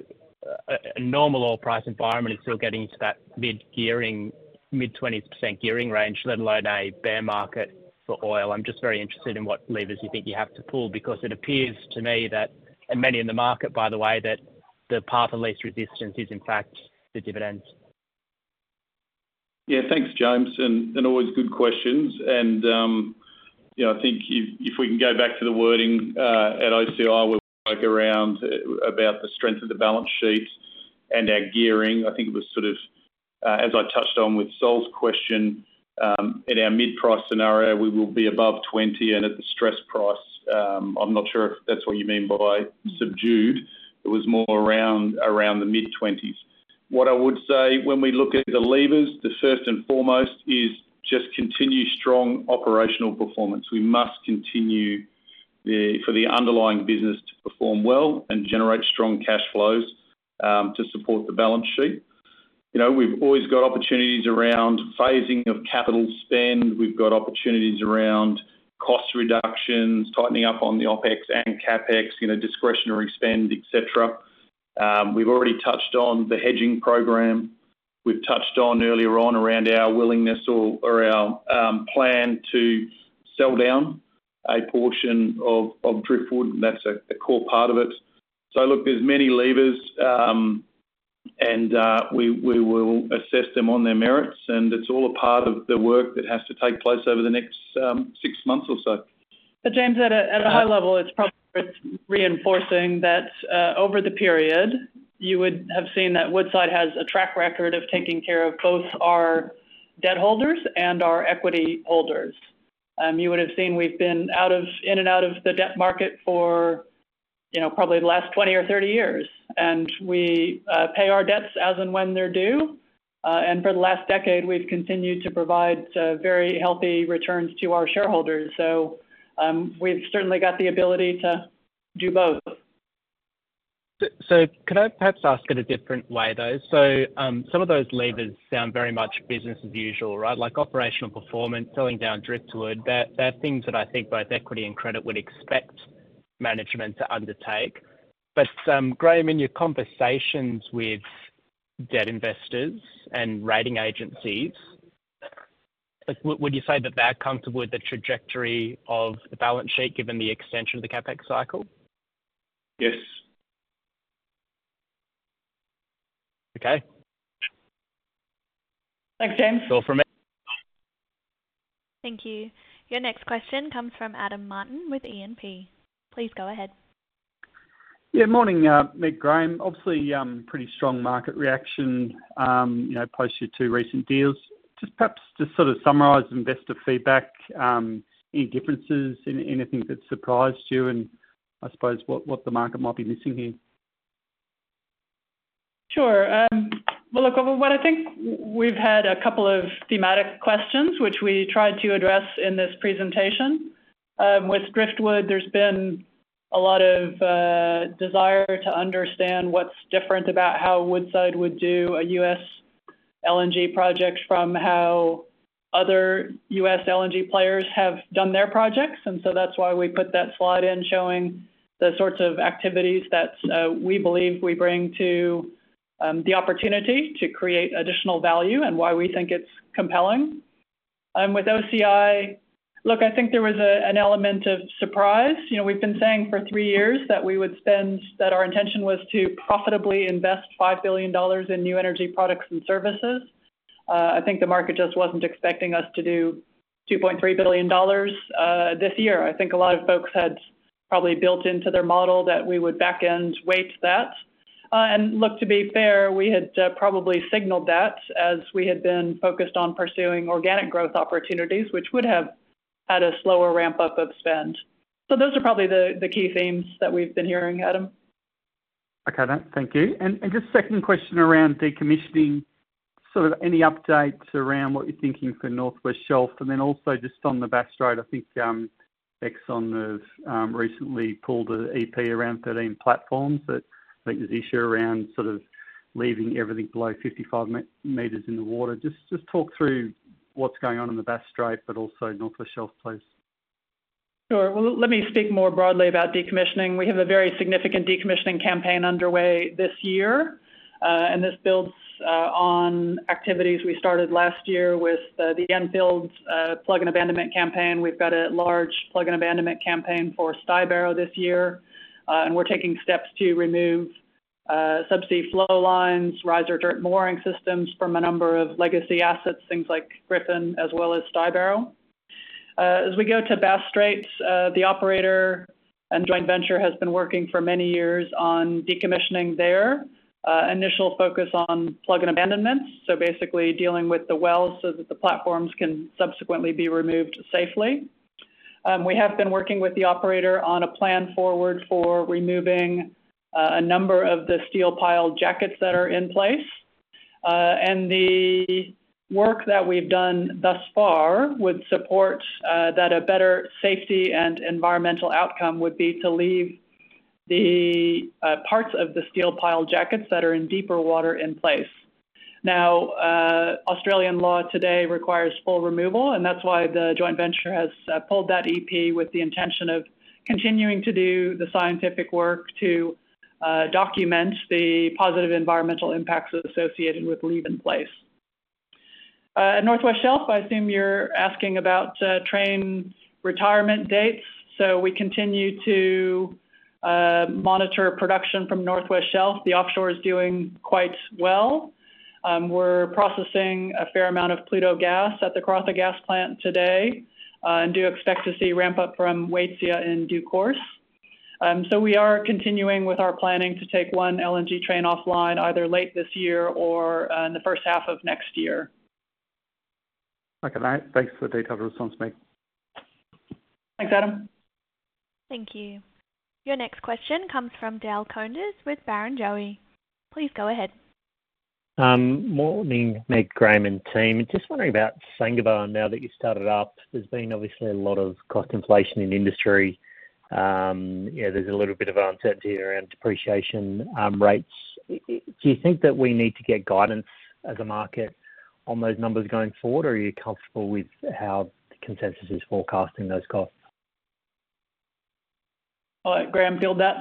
a normal oil price environment is still getting to that mid-gearing, mid-20% gearing range, let alone a bear market for oil? I'm just very interested in what levers you think you have to pull, because it appears to me that, and many in the market, by the way, that the path of least resistance is, in fact, the dividends. Yeah, thanks, James, and always good questions. You know, I think if we can go back to the wording at OCI, we'll work around about the strength of the balance sheet and our gearing. I think it was sort of as I touched on with Saul's question, in our mid-price scenario, we will be above 20%, and at the stress price, I'm not sure if that's what you mean by subdued. It was more around the mid-20s. What I would say when we look at the levers, the first and foremost is just continue strong operational performance. We must continue for the underlying business to perform well and generate strong cash flows to support the balance sheet. You know, we've always got opportunities around phasing of capital spend. We've got opportunities around cost reductions, tightening up on the OpEx and CapEx, you know, discretionary spend, et cetera. We've already touched on the hedging program. We've touched on earlier on around our willingness or our plan to selldown a portion of Driftwood, that's a core part of it. So look, there's many levers, and we will assess them on their merits, and it's all a part of the work that has to take place over the next six months or so. But James, at a high level, it's probably worth reinforcing that, over the period, you would have seen that Woodside has a track record of taking care of both our debt holders and our equity holders. You would have seen we've been in and out of the debt market for, you know, probably the last 20 or 30 years, and we pay our debts as and when they're due. And for the last decade, we've continued to provide very healthy returns to our shareholders, so we've certainly got the ability to do both. Could I perhaps ask it a different way, though? Some of those levers sound very much business as usual, right? Like operational performance, selling down Driftwood, they're things that I think both equity and credit would expect management to undertake. But, Graham, in your conversations with debt investors and rating agencies, like, would you say that they're comfortable with the trajectory of the balance sheet given the extension of the CapEx cycle? Yes. Okay. Thanks, James. All from me. Thank you. Your next question comes from Adam Martin with E&P. Please go ahead. Yeah, morning, Meg, Graham. Obviously, pretty strong market reaction, you know, post your two recent deals. Just perhaps sort of summarize investor feedback, any differences, anything that surprised you, and I suppose what the market might be missing here? Sure. Well, look, what I think we've had a couple of thematic questions, which we tried to address in this presentation. With Driftwood, there's been a lot of desire to understand what's different about how Woodside would do a U.S. LNG project from how other U.S. LNG players have done their projects, and so that's why we put that slide in, showing the sorts of activities that we believe we bring to the opportunity to create additional value, and why we think it's compelling... With OCI, look, I think there was an element of surprise. You know, we've been saying for three years that our intention was to profitably invest $5 billion in new energy products and services. I think the market just wasn't expecting us to do $2.3 billion this year. I think a lot of folks had probably built into their model that we would back end weight that. And look, to be fair, we had probably signaled that as we had been focused on pursuing organic growth opportunities, which would have had a slower ramp-up of spend. So those are probably the key themes that we've been hearing, Adam. Okay, thank you. And just second question around decommissioning, sort of any updates around what you're thinking for North West Shelf? And then also just on the Bass Strait, I think Exxon have recently pulled an EP around 13 platforms that I think there's issue around sort of leaving everything below 55 meters in the water. Just talk through what's going on in the Bass Strait, but also North West Shelf, please. Sure, well, let me speak more broadly about decommissioning. We have a very significant decommissioning campaign underway this year, and this builds on activities we started last year with the Enfield plug and abandonment campaign. We've got a large plug and abandonment campaign for Stybarrow this year, and we're taking steps to remove subsea flow lines, risers, turret mooring systems from a number of legacy assets, things like Griffin as well as Stybarrow. As we go to Bass Strait, the operator and joint venture has been working for many years on decommissioning there. Initial focus on plug and abandonments, so basically dealing with the wells so that the platforms can subsequently be removed safely. We have been working with the operator on a plan forward for removing a number of the steel pile jackets that are in place. And the work that we've done thus far would support that a better safety and environmental outcome would be to leave the parts of the steel pile jackets that are in deeper water in place. Now, Australian law today requires full removal, and that's why the joint venture has pulled that EP with the intention of continuing to do the scientific work to document the positive environmental impacts associated with leave in place. At North West Shelf, I assume you're asking about train retirement dates. So we continue to monitor production from North West Shelf. The offshore is doing quite well. We're processing a fair amount of Pluto gas at the Karratha Gas Plant today, and do expect to see ramp up from Waitsia in due course. We are continuing with our planning to take one LNG train offline, either late this year or in the first half of next year. Okay, thanks for the detailed response, Meg. Thanks, Adam. Thank you. Your next question comes from Dale Koenders with Barrenjoey. Please go ahead. Morning, Meg, Graham, and team. Just wondering about Sangomar now that you've started up. There's been obviously a lot of cost inflation in the industry. Yeah, there's a little bit of uncertainty around depreciation rates. Do you think that we need to get guidance as a market on those numbers going forward, or are you comfortable with how the consensus is forecasting those costs? All right, Graham, field that?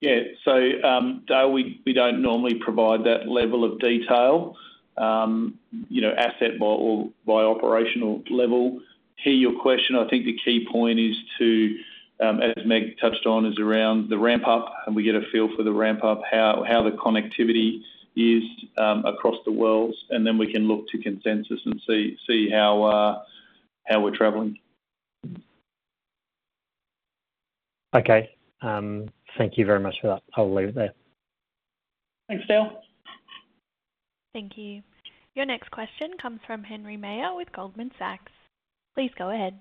Yeah. Dale, we don't normally provide that level of detail, you know, asset by asset or by operational level. To your question, I think the key point, as Meg touched on, is around the ramp up, and we get a feel for the ramp up, how the connectivity is across the world, and then we can look to consensus and see how we're traveling. Okay. Thank you very much for that. I'll leave it there. Thanks, Dale. Thank you. Your next question comes from Henry Meyer with Goldman Sachs. Please go ahead.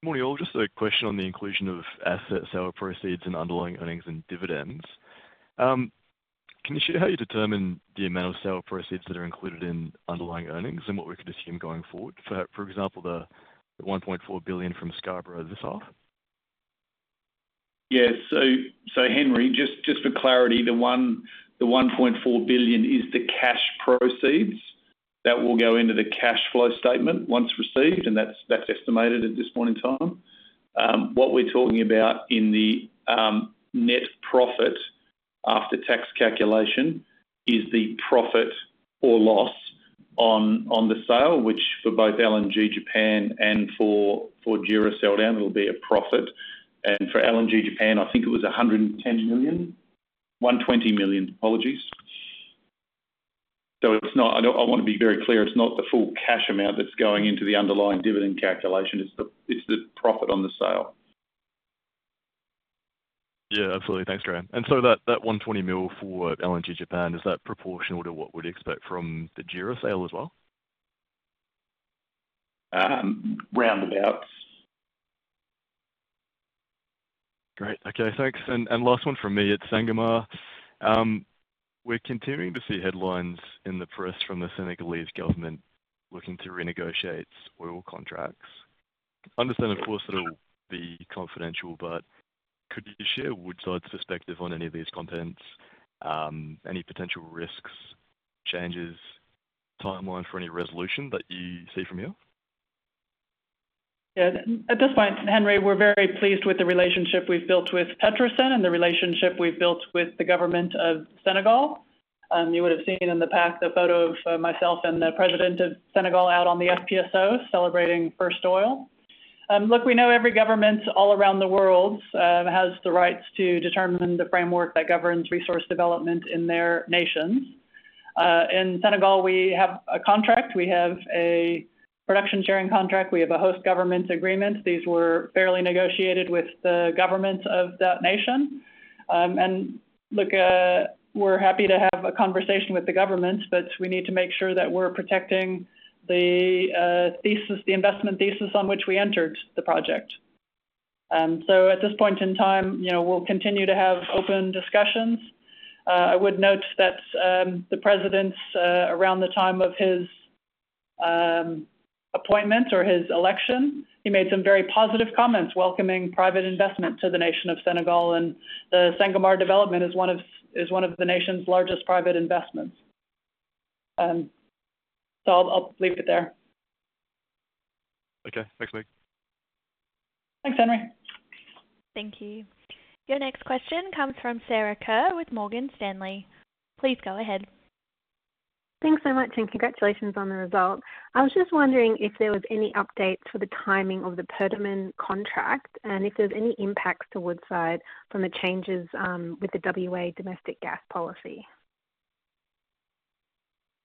Morning, y'all. Just a question on the inclusion of asset sale proceeds and underlying earnings and dividends. Can you share how you determine the amount of sale proceeds that are included in underlying earnings and what we could assume going forward, for example, the $1.4 billion from Scarborough this half? Yeah. So, Henry, just for clarity, the $1.4 billion is the cash proceeds that will go into the cash flow statement once received, and that's estimated at this point in time. What we're talking about in the net profit after tax calculation is the profit or loss on the sale, which for both LNG Japan and for JERA sell-down, it'll be a profit. And for LNG Japan, I think it was $110 million. $120 million, apologies. So it's not... I want to be very clear, it's not the full cash amount that's going into the underlying dividend calculation, it's the profit on the sale. Yeah, absolutely. Thanks, Graham. And so that $120 million for LNG Japan, is that proportional to what we'd expect from the JERA sale as well? Round about. Great. Okay, thanks. And last one from me. At Sangomar, we're continuing to see headlines in the press from the Senegalese government looking to renegotiate oil contracts. Understand, of course, it'll be confidential, but could you share Woodside's perspective on any of these contents, any potential risks, changes, timeline for any resolution that you see from here? Yeah, at this point, Henry, we're very pleased with the relationship we've built with PETROSEN and the relationship we've built with the Government of Senegal. You would have seen in the past the photo of myself and the President of Senegal out on the FPSO celebrating first oil. Look, we know every government all around the world has the rights to determine the framework that governs resource development in their nations. In Senegal, we have a contract, we have a production sharing contract, we have a host government agreement. These were fairly negotiated with the government of that nation. And look, we're happy to have a conversation with the government, but we need to make sure that we're protecting the thesis, the investment thesis on which we entered the project. So at this point in time, you know, we'll continue to have open discussions. I would note that the President's, around the time of his appointment or his election, he made some very positive comments welcoming private investment to the nation of Senegal, and the Sangomar development is one of the nation's largest private investments. So I'll leave it there. Okay. Thanks, Meg. Thanks, Henry. Thank you. Your next question comes from Sarah Kerr with Morgan Stanley. Please go ahead. Thanks so much, and congratulations on the result. I was just wondering if there was any update for the timing of the Perdaman contract, and if there's any impacts to Woodside from the changes with the WA domestic gas policy.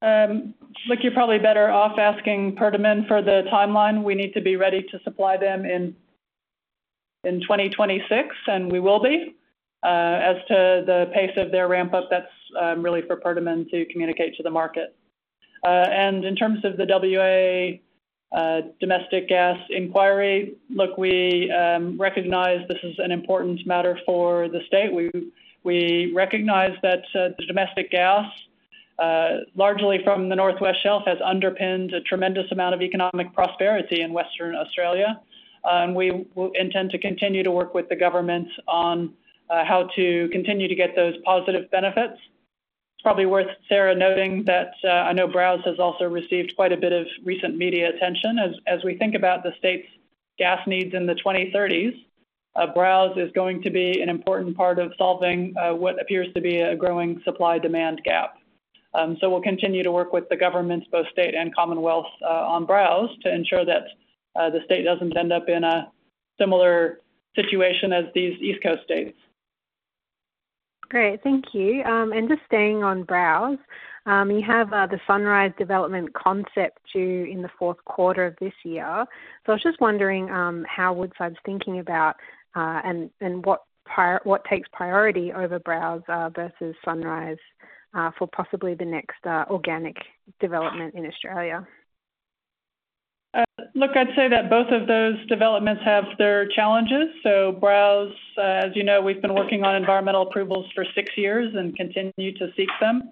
Look, you're probably better off asking Perdaman for the timeline. We need to be ready to supply them in 2026, and we will be. As to the pace of their ramp-up, that's really for Perdaman to communicate to the market. And in terms of the WA domestic gas inquiry, look, we recognize this is an important matter for the state. We recognize that the domestic gas, largely from the North West Shelf, has underpinned a tremendous amount of economic prosperity in Western Australia. We intend to continue to work with the government on how to continue to get those positive benefits. It's probably worth, Sarah, noting that I know Browse has also received quite a bit of recent media attention. We think about the state's gas needs in the 2030s. Browse is going to be an important part of solving what appears to be a growing supply-demand gap, so we'll continue to work with the Governments, both State and Commonwealth, on Browse, to ensure that the State doesn't end up in a similar situation as these east coast States. Great. Thank you, and just staying on Browse, you have the Sunrise development concept due in the fourth quarter of this year. So I was just wondering how Woodside's thinking about and what takes priority over Browse versus Sunrise for possibly the next organic development in Australia? Look, I'd say that both of those developments have their challenges. So Browse, as you know, we've been working on environmental approvals for six years and continue to seek them.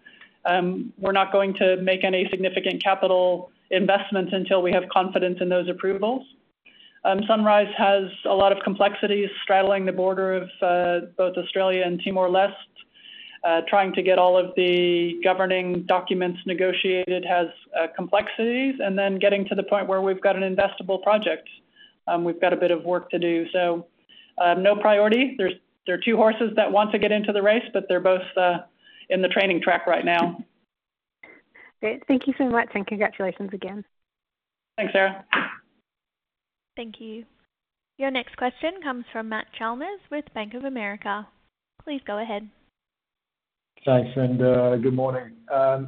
We're not going to make any significant capital investments until we have confidence in those approvals. Sunrise has a lot of complexities straddling the border of both Australia and Timor-Leste. Trying to get all of the governing documents negotiated has complexities, and then getting to the point where we've got an investable project, we've got a bit of work to do, so no priority. There are two horses that want to get into the race, but they're both in the training track right now. Great. Thank you so much, and congratulations again. Thanks, Sarah. Thank you. Your next question comes from Matt Chalmers with Bank of America. Please go ahead. Thanks, and good morning.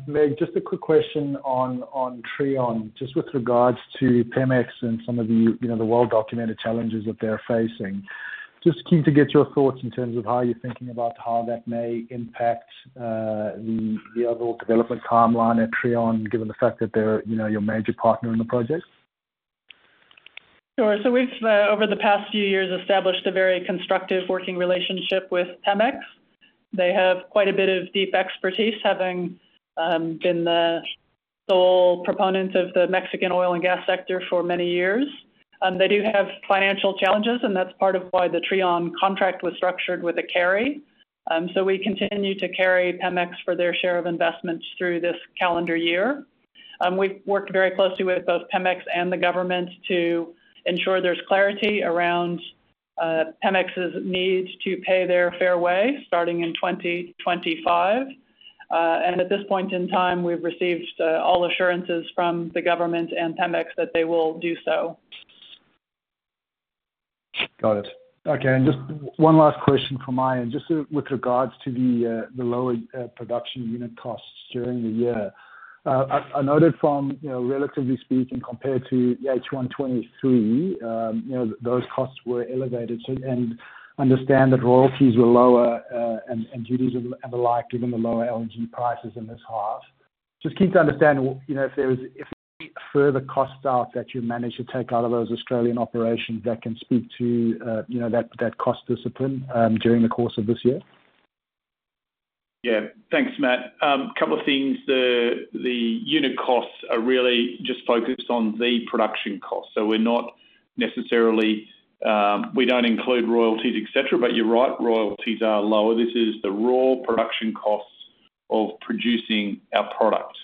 Meg, just a quick question on Trion. Just with regards to Pemex and some of the, you know, the well-documented challenges that they're facing. Just keen to get your thoughts in terms of how you're thinking about how that may impact the overall development timeline at Trion, given the fact that they're, you know, your major partner in the project. Sure. So we've over the past few years established a very constructive working relationship with Pemex. They have quite a bit of deep expertise, having been the sole proponents of the Mexican oil and gas sector for many years. They do have financial challenges, and that's part of why the Trion contract was structured with a carry. So we continue to carry Pemex for their share of investments through this calendar year. We've worked very closely with both Pemex and the government to ensure there's clarity around Pemex's need to pay their fair way, starting in 2025. And at this point in time, we've received all assurances from the government and Pemex that they will do so. Got it. Okay, and just one last question from my end. Just with regards to the lower production unit costs during the year. I noted from, you know, relatively speaking, compared to H1 2023, you know, those costs were elevated. So, and understand that royalties were lower, and duties and the like, given the lower LNG prices in this half. Just keen to understand, you know, if there was any further cost out that you managed to take out of those Australian operations that can speak to, you know, that cost discipline during the course of this year. Yeah. Thanks, Matt. A couple of things. The unit costs are really just focused on the production cost. So we're not necessarily, we don't include royalties, et cetera, but you're right, royalties are lower. This is the raw production costs of producing our product.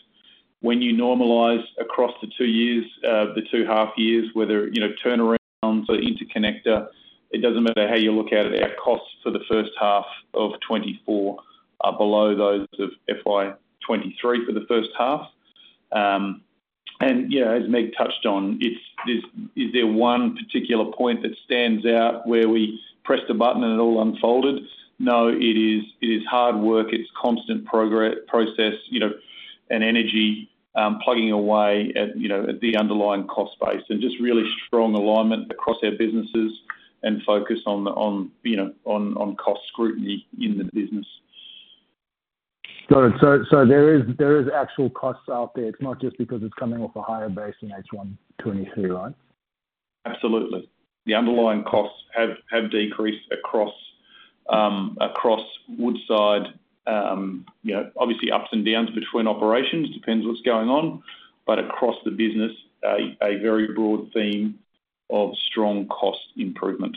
When you normalize across the two years, the two half years, whether, you know, turnarounds or interconnector, it doesn't matter how you look at it, our costs for the first half of 2024 are below those of FY 2023 for the first half, and you know, as Meg touched on, is there one particular point that stands out where we pressed a button and it all unfolded? No, it is hard work. It's constant process, you know, and energy, plugging away at, you know, at the underlying cost base, and just really strong alignment across our businesses and focus on the, you know, on cost scrutiny in the business. There is actual costs out there. It's not just because it's coming off a higher base in H1 2023, right? Absolutely. The underlying costs have decreased across Woodside. You know, obviously ups and downs between operations, depends what's going on. But across the business, a very broad theme of strong cost improvement.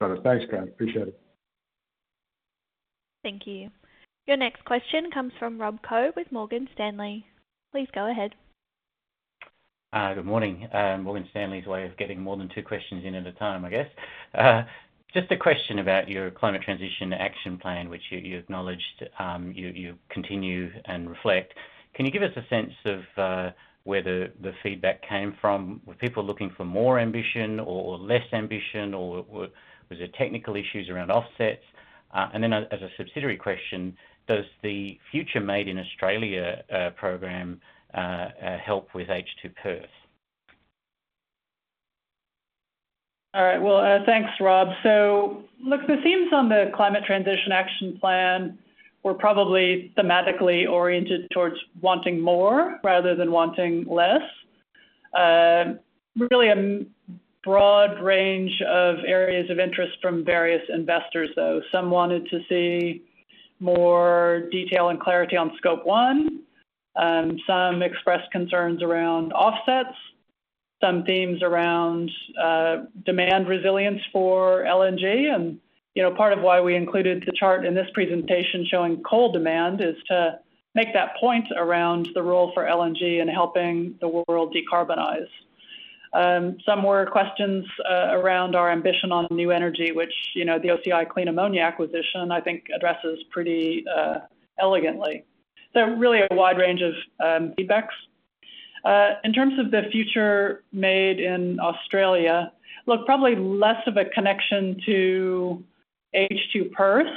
Got it. Thanks, Graham. Appreciate it. Thank you. Your next question comes from Rob Koh with Morgan Stanley. Please go ahead. Good morning. Morgan Stanley's way of getting more than two questions in at a time, I guess. Just a question about your Climate Transition Action Plan, which you acknowledged, you continue and reflect. Can you give us a sense of where the feedback came from? Were people looking for more ambition or less ambition, or was it technical issues around offsets? And then as a subsidiary question, does the Future Made in Australia program help with H2Perth? All right. Well, thanks, Rob. So look, the themes on the Climate Transition Action Plan were probably thematically oriented towards wanting more rather than wanting less. Really a broad range of areas of interest from various investors, though. Some wanted to see more detail and clarity on Scope 1, some expressed concerns around offsets, some themes around demand resilience for LNG. And, you know, part of why we included the chart in this presentation showing coal demand is to make that point around the role for LNG in helping the world decarbonize. Some were questions around our ambition on new energy, which, you know, the OCI Clean Ammonia acquisition, I think addresses pretty elegantly. So really a wide range of feedbacks. In terms of the Future Made in Australia, look, probably less of a connection to H2Perth.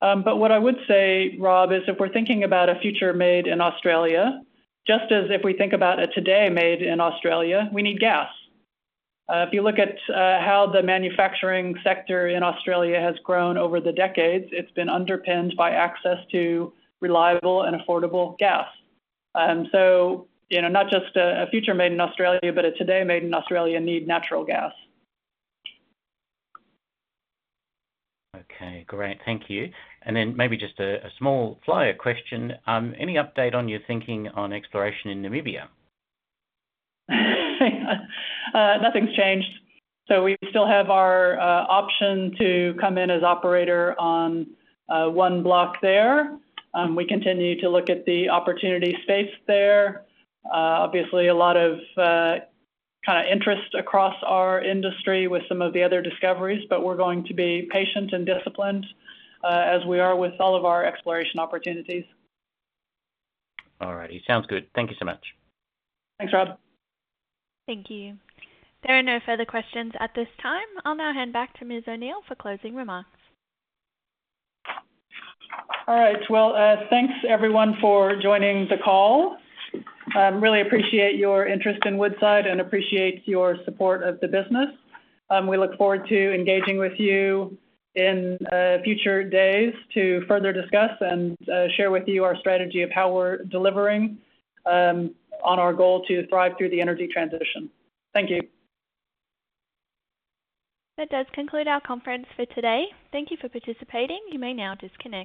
But what I would say, Rob, is if we're thinking about a future made in Australia, just as if we think about a today made in Australia, we need gas. If you look at how the manufacturing sector in Australia has grown over the decades, it's been underpinned by access to reliable and affordable gas. So, you know, not just a future made in Australia, but a today made in Australia need natural gas. Okay, great. Thank you. And then maybe just a small flyer question. Any update on your thinking on exploration in Namibia? Nothing's changed. So we still have our option to come in as operator on one block there. We continue to look at the opportunity space there. Obviously a lot of kind of interest across our industry with some of the other discoveries, but we're going to be patient and disciplined as we are with all of our exploration opportunities. All right. Sounds good. Thank you so much. Thanks, Rob. Thank you. There are no further questions at this time. I'll now hand back to Ms. O'Neill for closing remarks. All right. Well, thanks, everyone, for joining the call. Really appreciate your interest in Woodside and appreciate your support of the business. We look forward to engaging with you in future days to further discuss and share with you our strategy of how we're delivering on our goal to thrive through the energy transition. Thank you. That does conclude our conference for today. Thank you for participating. You may now disconnect.